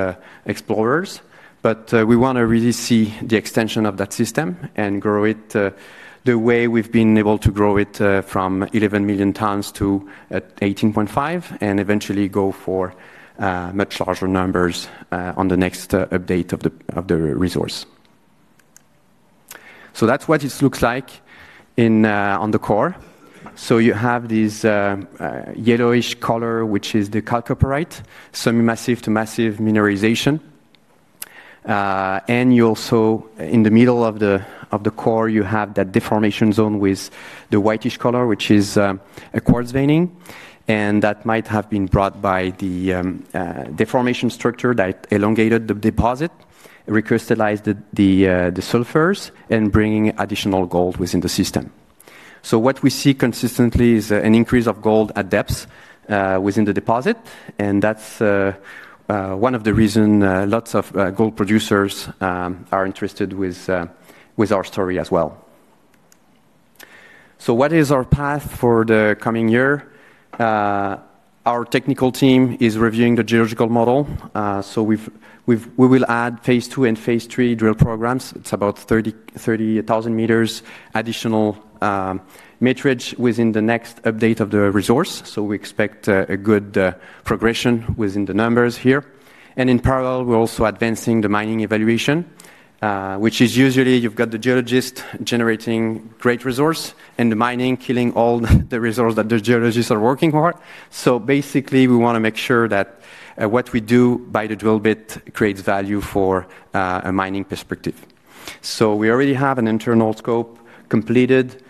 Speaker 5: explorers. We want to really see the extension of that system and grow it the way we have been able to grow it from 11 million tons to 18.5 million tons and eventually go for much larger numbers on the next update of the resource. That is what it looks like on the core. You have this yellowish color, which is the chalcopyrite, semi-massive to massive mineralization. You also, in the middle of the core, have that deformation zone with the whitish color, which is a quartz veining. That might have been brought by the deformation structure that elongated the deposit, recrystallized the sulfurs, and brought additional gold within the system. What we see consistently is an increase of gold at depth within the deposit. That is one of the reasons lots of gold producers are interested with our story as well. What is our path for the coming year? Our technical team is reviewing the geological model. We will add Phase 2 and Phase 3 drill programs. It is about 30,000 m additional metrics within the next update of the resource. We expect a good progression within the numbers here. In parallel, we're also advancing the mining evaluation, which is usually you've got the geologist generating great resource and the mining killing all the resources that the geologists are working for. Basically, we want to make sure that what we do by the drill bit creates value from a mining perspective. We already have an internal scope completed.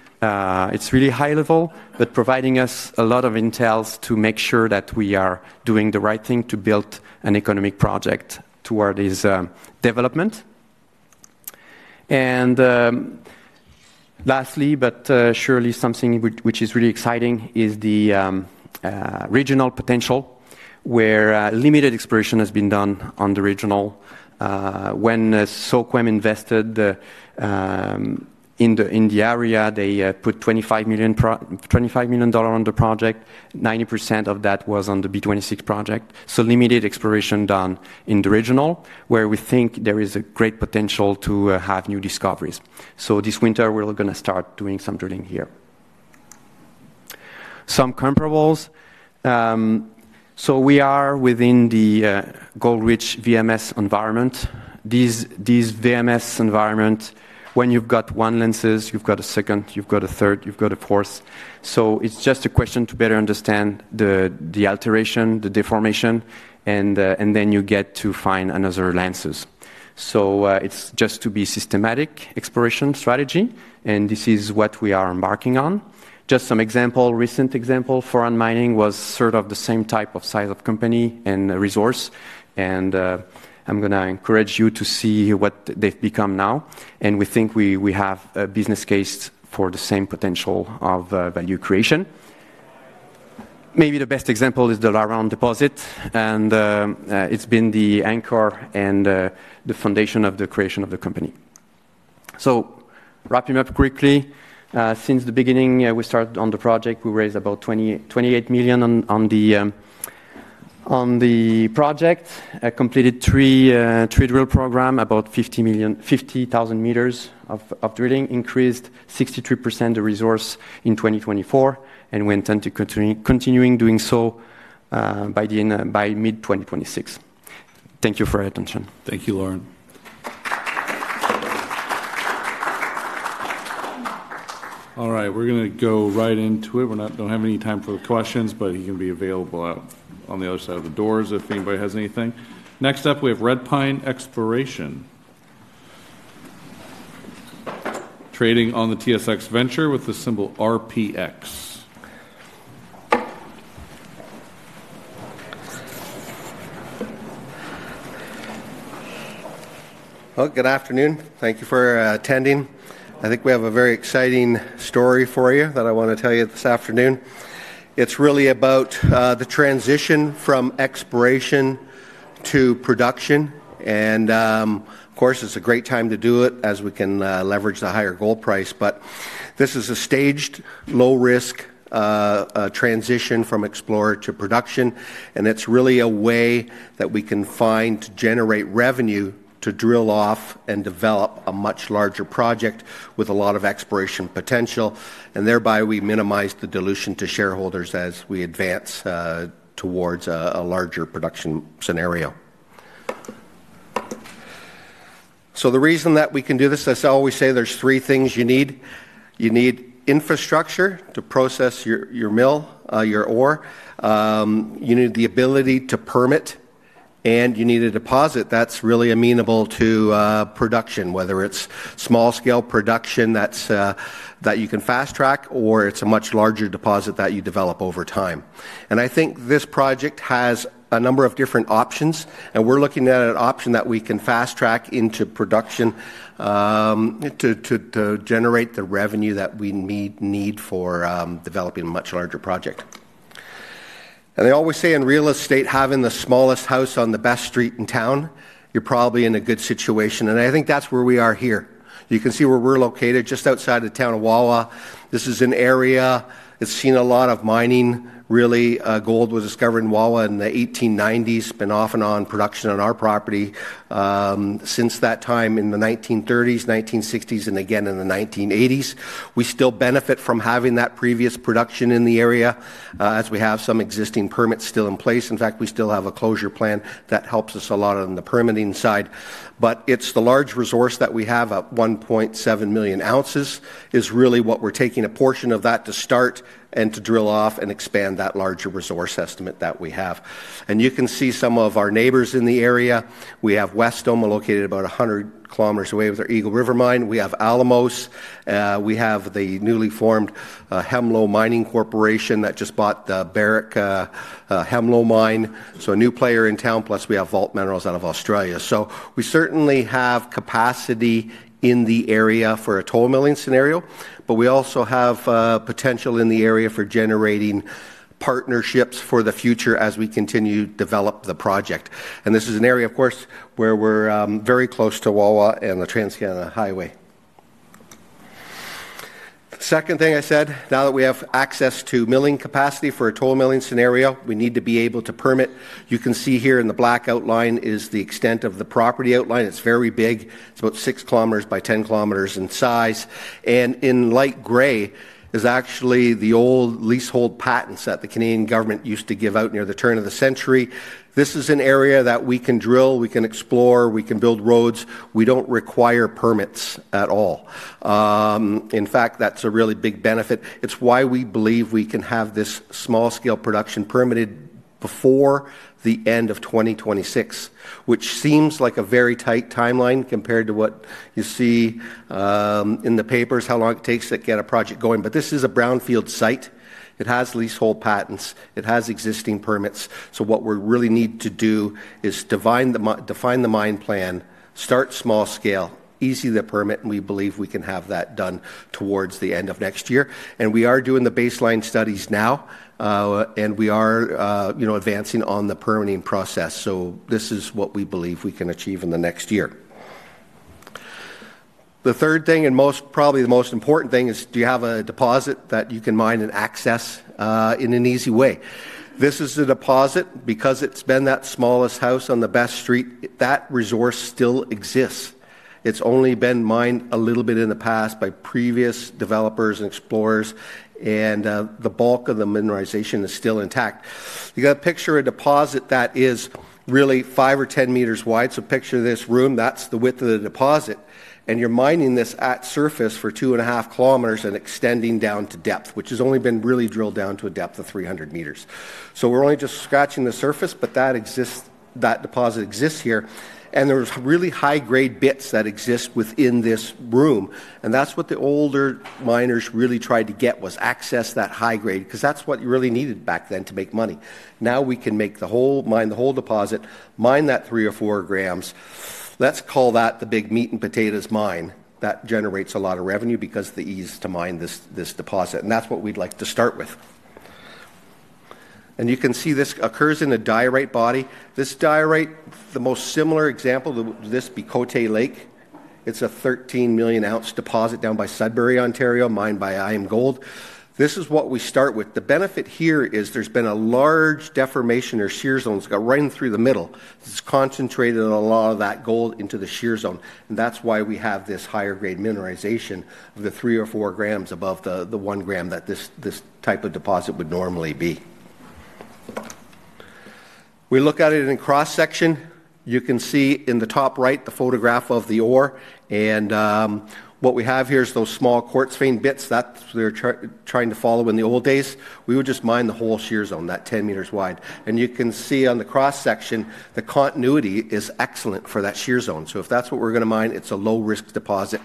Speaker 5: It's really high level, but providing us a lot of intels to make sure that we are doing the right thing to build an economic project toward this development. Lastly, but surely something which is really exciting is the regional potential where limited exploration has been done on the regional. When SOQUEM invested in the area, they put 25 million dollars on the project. 90% of that was on the B26 project. Limited exploration done in the regional where we think there is a great potential to have new discoveries. This winter, we're going to start doing some drilling here. Some comparables. We are within the gold-rich VMS environment. These VMS environment, when you've got one lenses, you've got a second, you've got a third, you've got a fourth. It's just a question to better understand the alteration, the deformation, and then you get to find another lenses. It's just to be systematic exploration strategy. This is what we are embarking on. Just some example, recent example, Foran Mining was sort of the same type of size of company and resource. I'm going to encourage you to see what they've become now. We think we have a business case for the same potential of value creation. Maybe the best example is the LaRonde deposit. It has been the anchor and the foundation of the creation of the company. Wrapping up quickly, since the beginning, we started on the project, we raised about 28 million on the project, completed three drill programs, about 50,000 m of drilling, increased 63% of the resource in 2024, and we intend to continue doing so by mid-2026. Thank you for your attention.
Speaker 2: Thank you, Laurent. All right. We're going to go right into it. We do not have any time for the questions, but you can be available on the other side of the doors if anybody has anything. Next up, we have Red Pine Exploration, trading on the TSX Venture with the symbol RPX.
Speaker 6: Good afternoon. Thank you for attending. I think we have a very exciting story for you that I want to tell you this afternoon. It's really about the transition from exploration to production. Of course, it's a great time to do it as we can leverage the higher gold price. This is a staged low-risk transition from explorer to production. It's really a way that we can find to generate revenue to drill off and develop a much larger project with a lot of exploration potential. Thereby, we minimize the dilution to shareholders as we advance towards a larger production scenario. The reason that we can do this, as I always say, there's three things you need. You need infrastructure to process your mill, your ore. You need the ability to permit, and you need a deposit that's really amenable to production, whether it's small-scale production that you can fast track or it's a much larger deposit that you develop over time. I think this project has a number of different options. We're looking at an option that we can fast track into production to generate the revenue that we need for developing a much larger project. They always say in real estate, having the smallest house on the best street in town, you're probably in a good situation. I think that's where we are here. You can see where we're located just outside of the town of Wawa. This is an area that's seen a lot of mining. Really, gold was discovered in Wawa in the 1890s, been off and on production on our property since that time in the 1930s, 1960s, and again in the 1980s. We still benefit from having that previous production in the area as we have some existing permits still in place. In fact, we still have a closure plan that helps us a lot on the permitting side. It is the large resource that we have at 1.7 million oz that is really what we are taking a portion of to start and to drill off and expand that larger resource estimate that we have. You can see some of our neighbors in the area. We have Wesdome, located about 100 km away with their Eagle River Mine. We have Alamos. We have the newly formed Hemlo Mining Corporation that just bought the Barrick Hemlo Mine. A new player in town, plus we have Vault Minerals out of Australia. We certainly have capacity in the area for a toll milling scenario, but we also have potential in the area for generating partnerships for the future as we continue to develop the project. This is an area, of course, where we're very close to Wawa and the Trans-Canada Highway. Second thing I said, now that we have access to milling capacity for a toll milling scenario, we need to be able to permit. You can see here in the black outline is the extent of the property outline. It's very big. It's about 6 km by 10 km in size. And in light gray is actually the old leasehold patents that the Canadian government used to give out near the turn of the century. This is an area that we can drill, we can explore, we can build roads. We don't require permits at all. In fact, that's a really big benefit. It's why we believe we can have this small-scale production permitted before the end of 2026, which seems like a very tight timeline compared to what you see in the papers, how long it takes to get a project going. This is a brownfield site. It has leasehold patents. It has existing permits. What we really need to do is define the mine plan, start small scale, easy to permit, and we believe we can have that done towards the end of next year. We are doing the baseline studies now, and we are advancing on the permitting process. This is what we believe we can achieve in the next year. The third thing, and probably the most important thing, is do you have a deposit that you can mine and access in an easy way? This is a deposit. Because it's been that smallest house on the best street, that resource still exists. It's only been mined a little bit in the past by previous developers and explorers, and the bulk of the mineralization is still intact. You got a picture of a deposit that is really 5 m or 10 m wide. So picture this room. That's the width of the deposit. And you're mining this at surface for 2.5 km and extending down to depth, which has only been really drilled down to a depth of 300 m. We're only just scratching the surface, but that deposit exists here. There are really high-grade bits that exist within this room. That's what the older miners really tried to get was access that high-grade, because that's what you really needed back then to make money. Now we can mine the whole deposit, mine that 3 g or 4 g. Let's call that the big meat and potatoes mine that generates a lot of revenue because of the ease to mine this deposit. That is what we'd like to start with. You can see this occurs in a diorite body. This diorite, the most similar example to this would be Côté Lake. It is a 13 million oz deposit down by Sudbury, Ontario, mined by IAMGOLD. This is what we start with. The benefit here is there has been a large deformation or shear zone that has run through the middle. It has concentrated a lot of that gold into the shear zone. That is why we have this higher-grade mineralization of the 3 g-4 g above the 1 g that this type of deposit would normally be. We look at it in cross-section. You can see in the top right the photograph of the ore. What we have here is those small quartz vein bits that we are trying to follow. In the old days, we would just mine the whole shear zone, that 10 m wide. You can see on the cross-section, the continuity is excellent for that shear zone. If that is what we are going to mine, it is a low-risk deposit.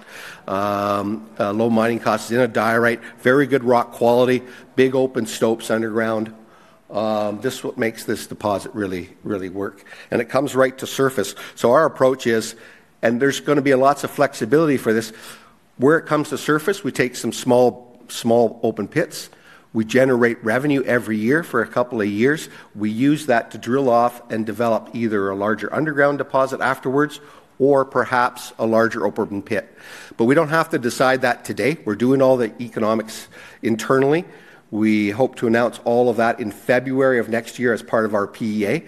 Speaker 6: Low mining costs in a diorite, very good rock quality, big open stopes underground. This is what makes this deposit really work. It comes right to surface. Our approach is, and there is going to be lots of flexibility for this. Where it comes to surface, we take some small open pits. We generate revenue every year for a couple of years. We use that to drill off and develop either a larger underground deposit afterwards or perhaps a larger open pit. We do not have to decide that today. We are doing all the economics internally. We hope to announce all of that in February of next year as part of our PEA.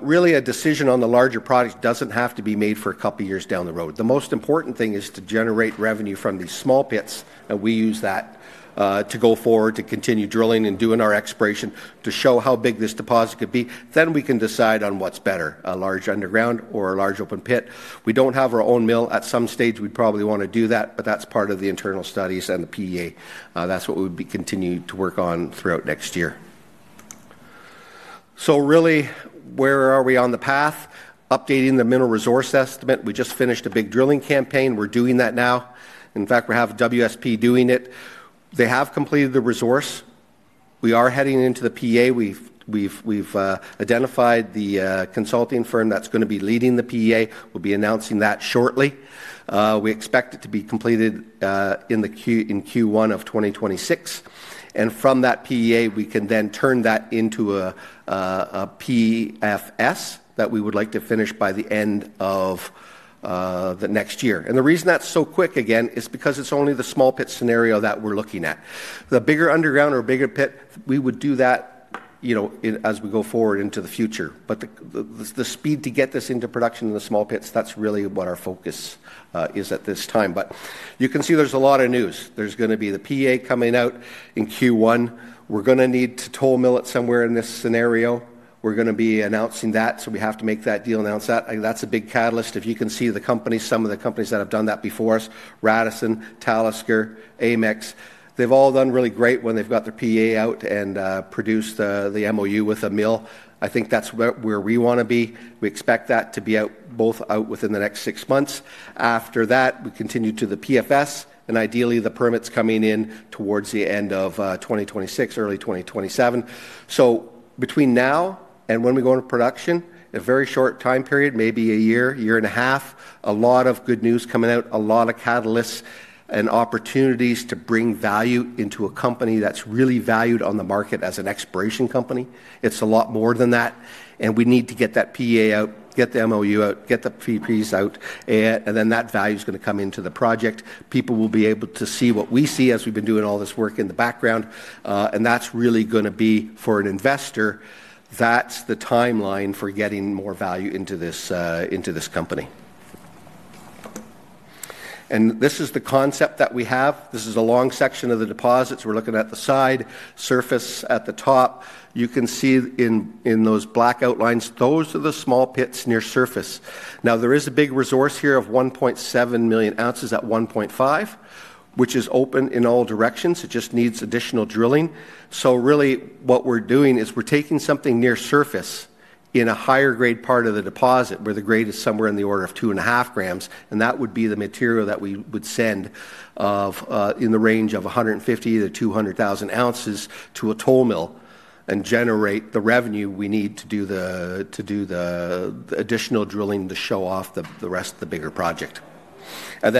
Speaker 6: Really, a decision on the larger product does not have to be made for a couple of years down the road. The most important thing is to generate revenue from these small pits. We use that to go forward, to continue drilling and doing our exploration to show how big this deposit could be. We can decide on what is better, a large underground or a large open pit. We do not have our own mill at some stage. We would probably want to do that, but that is part of the internal studies and the PEA. That's what we would continue to work on throughout next year. Really, where are we on the path? Updating the mineral resource estimate. We just finished a big drilling campaign. We're doing that now. In fact, we have WSP doing it. They have completed the resource. We are heading into the PEA. We've identified the consulting firm that's going to be leading the PEA. We'll be announcing that shortly. We expect it to be completed in Q1 of 2026. From that PEA, we can then turn that into a PFS that we would like to finish by the end of the next year. The reason that's so quick, again, is because it's only the small pit scenario that we're looking at. The bigger underground or bigger pit, we would do that as we go forward into the future. The speed to get this into production in the small pits, that's really what our focus is at this time. You can see there's a lot of news. There's going to be the PEA coming out in Q1. We're going to need to toll mill it somewhere in this scenario. We're going to be announcing that. We have to make that deal, announce that. That's a big catalyst. If you can see the companies, some of the companies that have done that before us, Radisson, Talisker, Amex, they've all done really great when they've got their PEA out and produced the MOU with a mill. I think that's where we want to be. We expect that to be both out within the next six months. After that, we continue to the PFS, and ideally, the permits coming in towards the end of 2026, early 2027. Between now and when we go into production, a very short time period, maybe a year, year and a half, a lot of good news coming out, a lot of catalysts and opportunities to bring value into a company that's really valued on the market as an exploration company. It's a lot more than that. We need to get that PEA out, get the MOU out, get the PFs out, and then that value is going to come into the project. People will be able to see what we see as we've been doing all this work in the background. That is really going to be for an investor. That is the timeline for getting more value into this company. This is the concept that we have. This is a long section of the deposits. We're looking at the side, surface at the top. You can see in those black outlines, those are the small pits near surface. Now, there is a big resource here of 1.7 million oz at 1.5, which is open in all directions. It just needs additional drilling. Really, what we are doing is we are taking something near surface in a higher-grade part of the deposit where the grade is somewhere in the order of 2.5 g. That would be the material that we would send in the range of 150,000 oz-200,000 oz to a toll mill and generate the revenue we need to do the additional drilling to show off the rest of the bigger project. In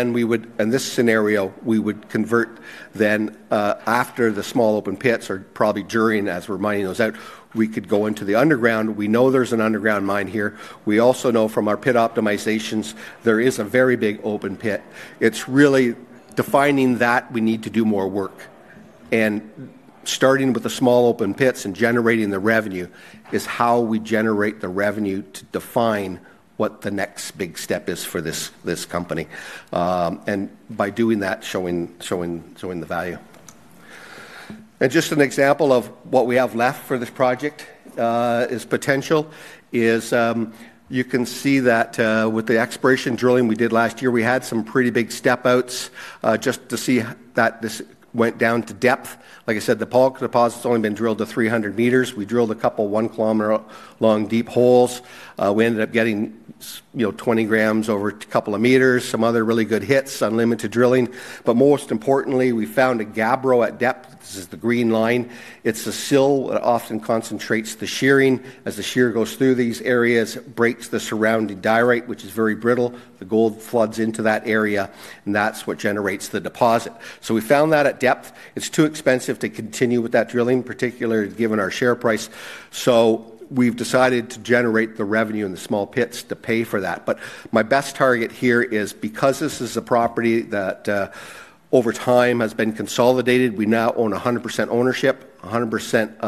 Speaker 6: this scenario, we would convert then after the small open pits or probably during as we are mining those out, we could go into the underground. We know there is an underground mine here. We also know from our pit optimizations, there is a very big open pit. It is really defining that we need to do more work. Starting with the small open pits and generating the revenue is how we generate the revenue to define what the next big step is for this company. By doing that, showing the value. Just an example of what we have left for this project is potential is you can see that with the exploration drilling we did last year, we had some pretty big step outs just to see that this went down to depth. Like I said, the Paul deposit's only been drilled to 300 m. We drilled a couple of 1 km long deep holes. We ended up getting 20 g over a couple of meters, some other really good hits, unlimited drilling. Most importantly, we found a gabbro at depth. This is the green line. It's a sill that often concentrates the shearing. As the shear goes through these areas, it breaks the surrounding diorite, which is very brittle. The gold floods into that area, and that's what generates the deposit. We found that at depth. It's too expensive to continue with that drilling, particularly given our share price. We have decided to generate the revenue in the small pits to pay for that. My best target here is because this is a property that over time has been consolidated, we now own 100% ownership. 100%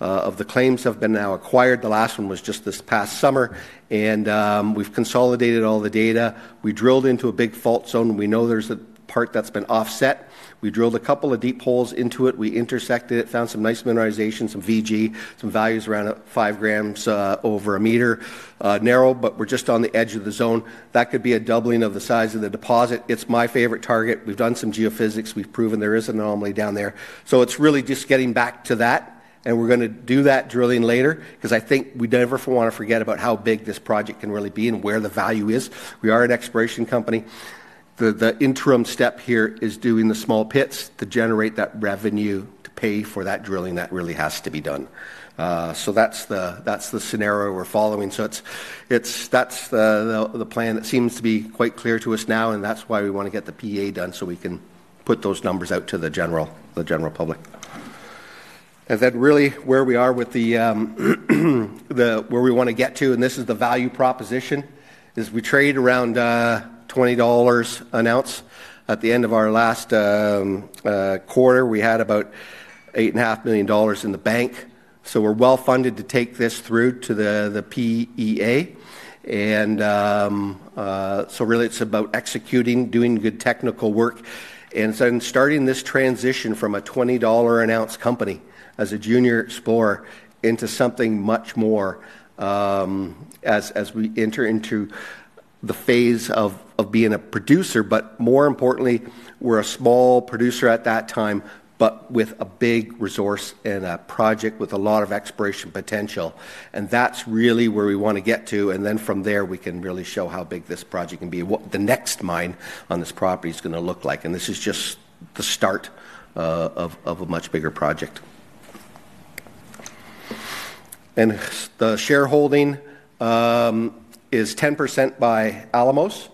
Speaker 6: of the claims have now been acquired. The last one was just this past summer. We have consolidated all the data. We drilled into a big fault zone. We know there's a part that's been offset. We drilled a couple of deep holes into it. We intersected it, found some nice mineralization, some VG, some values around 5 g over 1 m, narrow, but we're just on the edge of the zone. That could be a doubling of the size of the deposit. It's my favorite target. We've done some geophysics. We've proven there is an anomaly down there. It is really just getting back to that. We're going to do that drilling later because I think we never want to forget about how big this project can really be and where the value is. We are an exploration company. The interim step here is doing the small pits to generate that revenue to pay for that drilling that really has to be done. That is the scenario we're following. That is the plan that seems to be quite clear to us now. That is why we want to get the PEA done so we can put those numbers out to the general public. Really where we are with where we want to get to, and this is the value proposition, is we traded around $20 an ounce. At the end of our last quarter, we had about 8.5 million dollars in the bank. We are well funded to take this through to the PEA. Really, it is about executing, doing good technical work, and starting this transition from a $20 an ounce company as a junior explorer into something much more as we enter into the phase of being a producer. More importantly, we are a small producer at that time, but with a big resource and a project with a lot of exploration potential. That is really where we want to get to. From there, we can really show how big this project can be, what the next mine on this property is going to look like. This is just the start of a much bigger project. The shareholding is 10% by Alamos.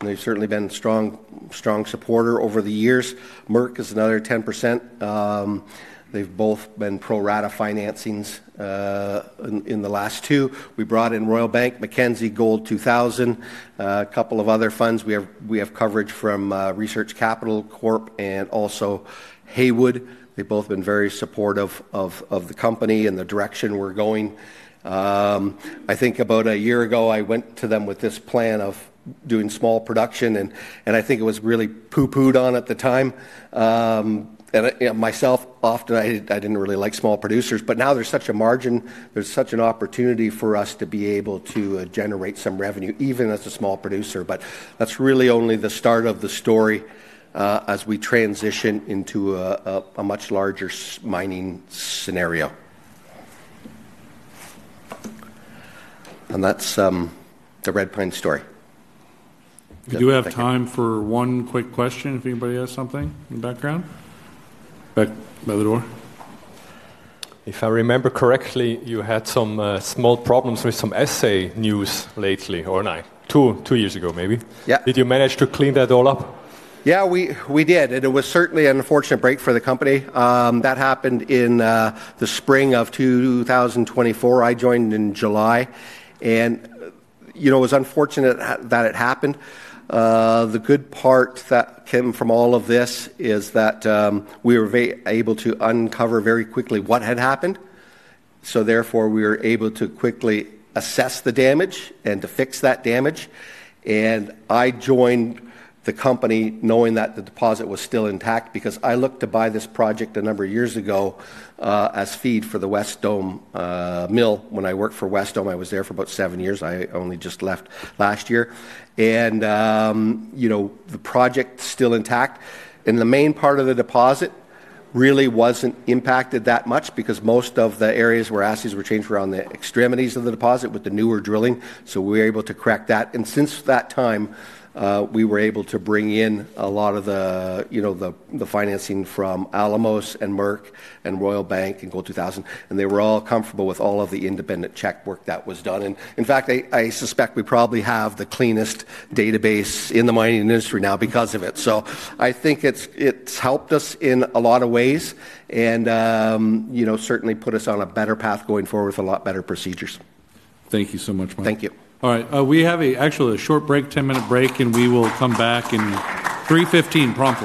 Speaker 6: They've certainly been a strong supporter over the years. Merk is another 10%. They've both been pro-rata financings in the last two. We brought in Royal Bank, McKinsey, Gold 2000, a couple of other funds. We have coverage from Research Capital Corp and also Haywood. They've both been very supportive of the company and the direction we're going. I think about a year ago, I went to them with this plan of doing small production. I think it was really pooh-poohed on at the time. Myself, often I didn't really like small producers. Now there's such a margin, there's such an opportunity for us to be able to generate some revenue, even as a small producer. That is really only the start of the story as we transition into a much larger mining scenario. That is the Red Pine story. We do have time for one quick question if anybody has something in the background. Back by the door. If I remember correctly, you had some small problems with some assay news lately, or nine, two years ago maybe. Did you manage to clean that all up?
Speaker 3: Yeah, we did. It was certainly an unfortunate break for the company. That happened in the spring of 2024. I joined in July. It was unfortunate that it happened. The good part that came from all of this is that we were able to uncover very quickly what had happened. Therefore, we were able to quickly assess the damage and to fix that damage. I joined the company knowing that the deposit was still intact because I looked to buy this project a number of years ago as feed for the Wesdome mill. When I worked for Wesdome, I was there for about seven years. I only just left last year. The project is still intact. The main part of the deposit really was not impacted that much because most of the areas where assays were changed were on the extremities of the deposit with the newer drilling. We were able to correct that. Since that time, we were able to bring in a lot of the financing from Alamos, Merk, Royal Bank of Canada, and Gold 2000. They were all comfortable with all of the independent checkwork that was done. In fact, I suspect we probably have the cleanest database in the mining industry now because of it. I think it's helped us in a lot of ways and certainly put us on a better path going forward with a lot better procedures.
Speaker 2: Thank you so much, Mike.
Speaker 6: Thank you.
Speaker 2: All right. We have actually a short break, 10-minute break, and we will come back at 3:15.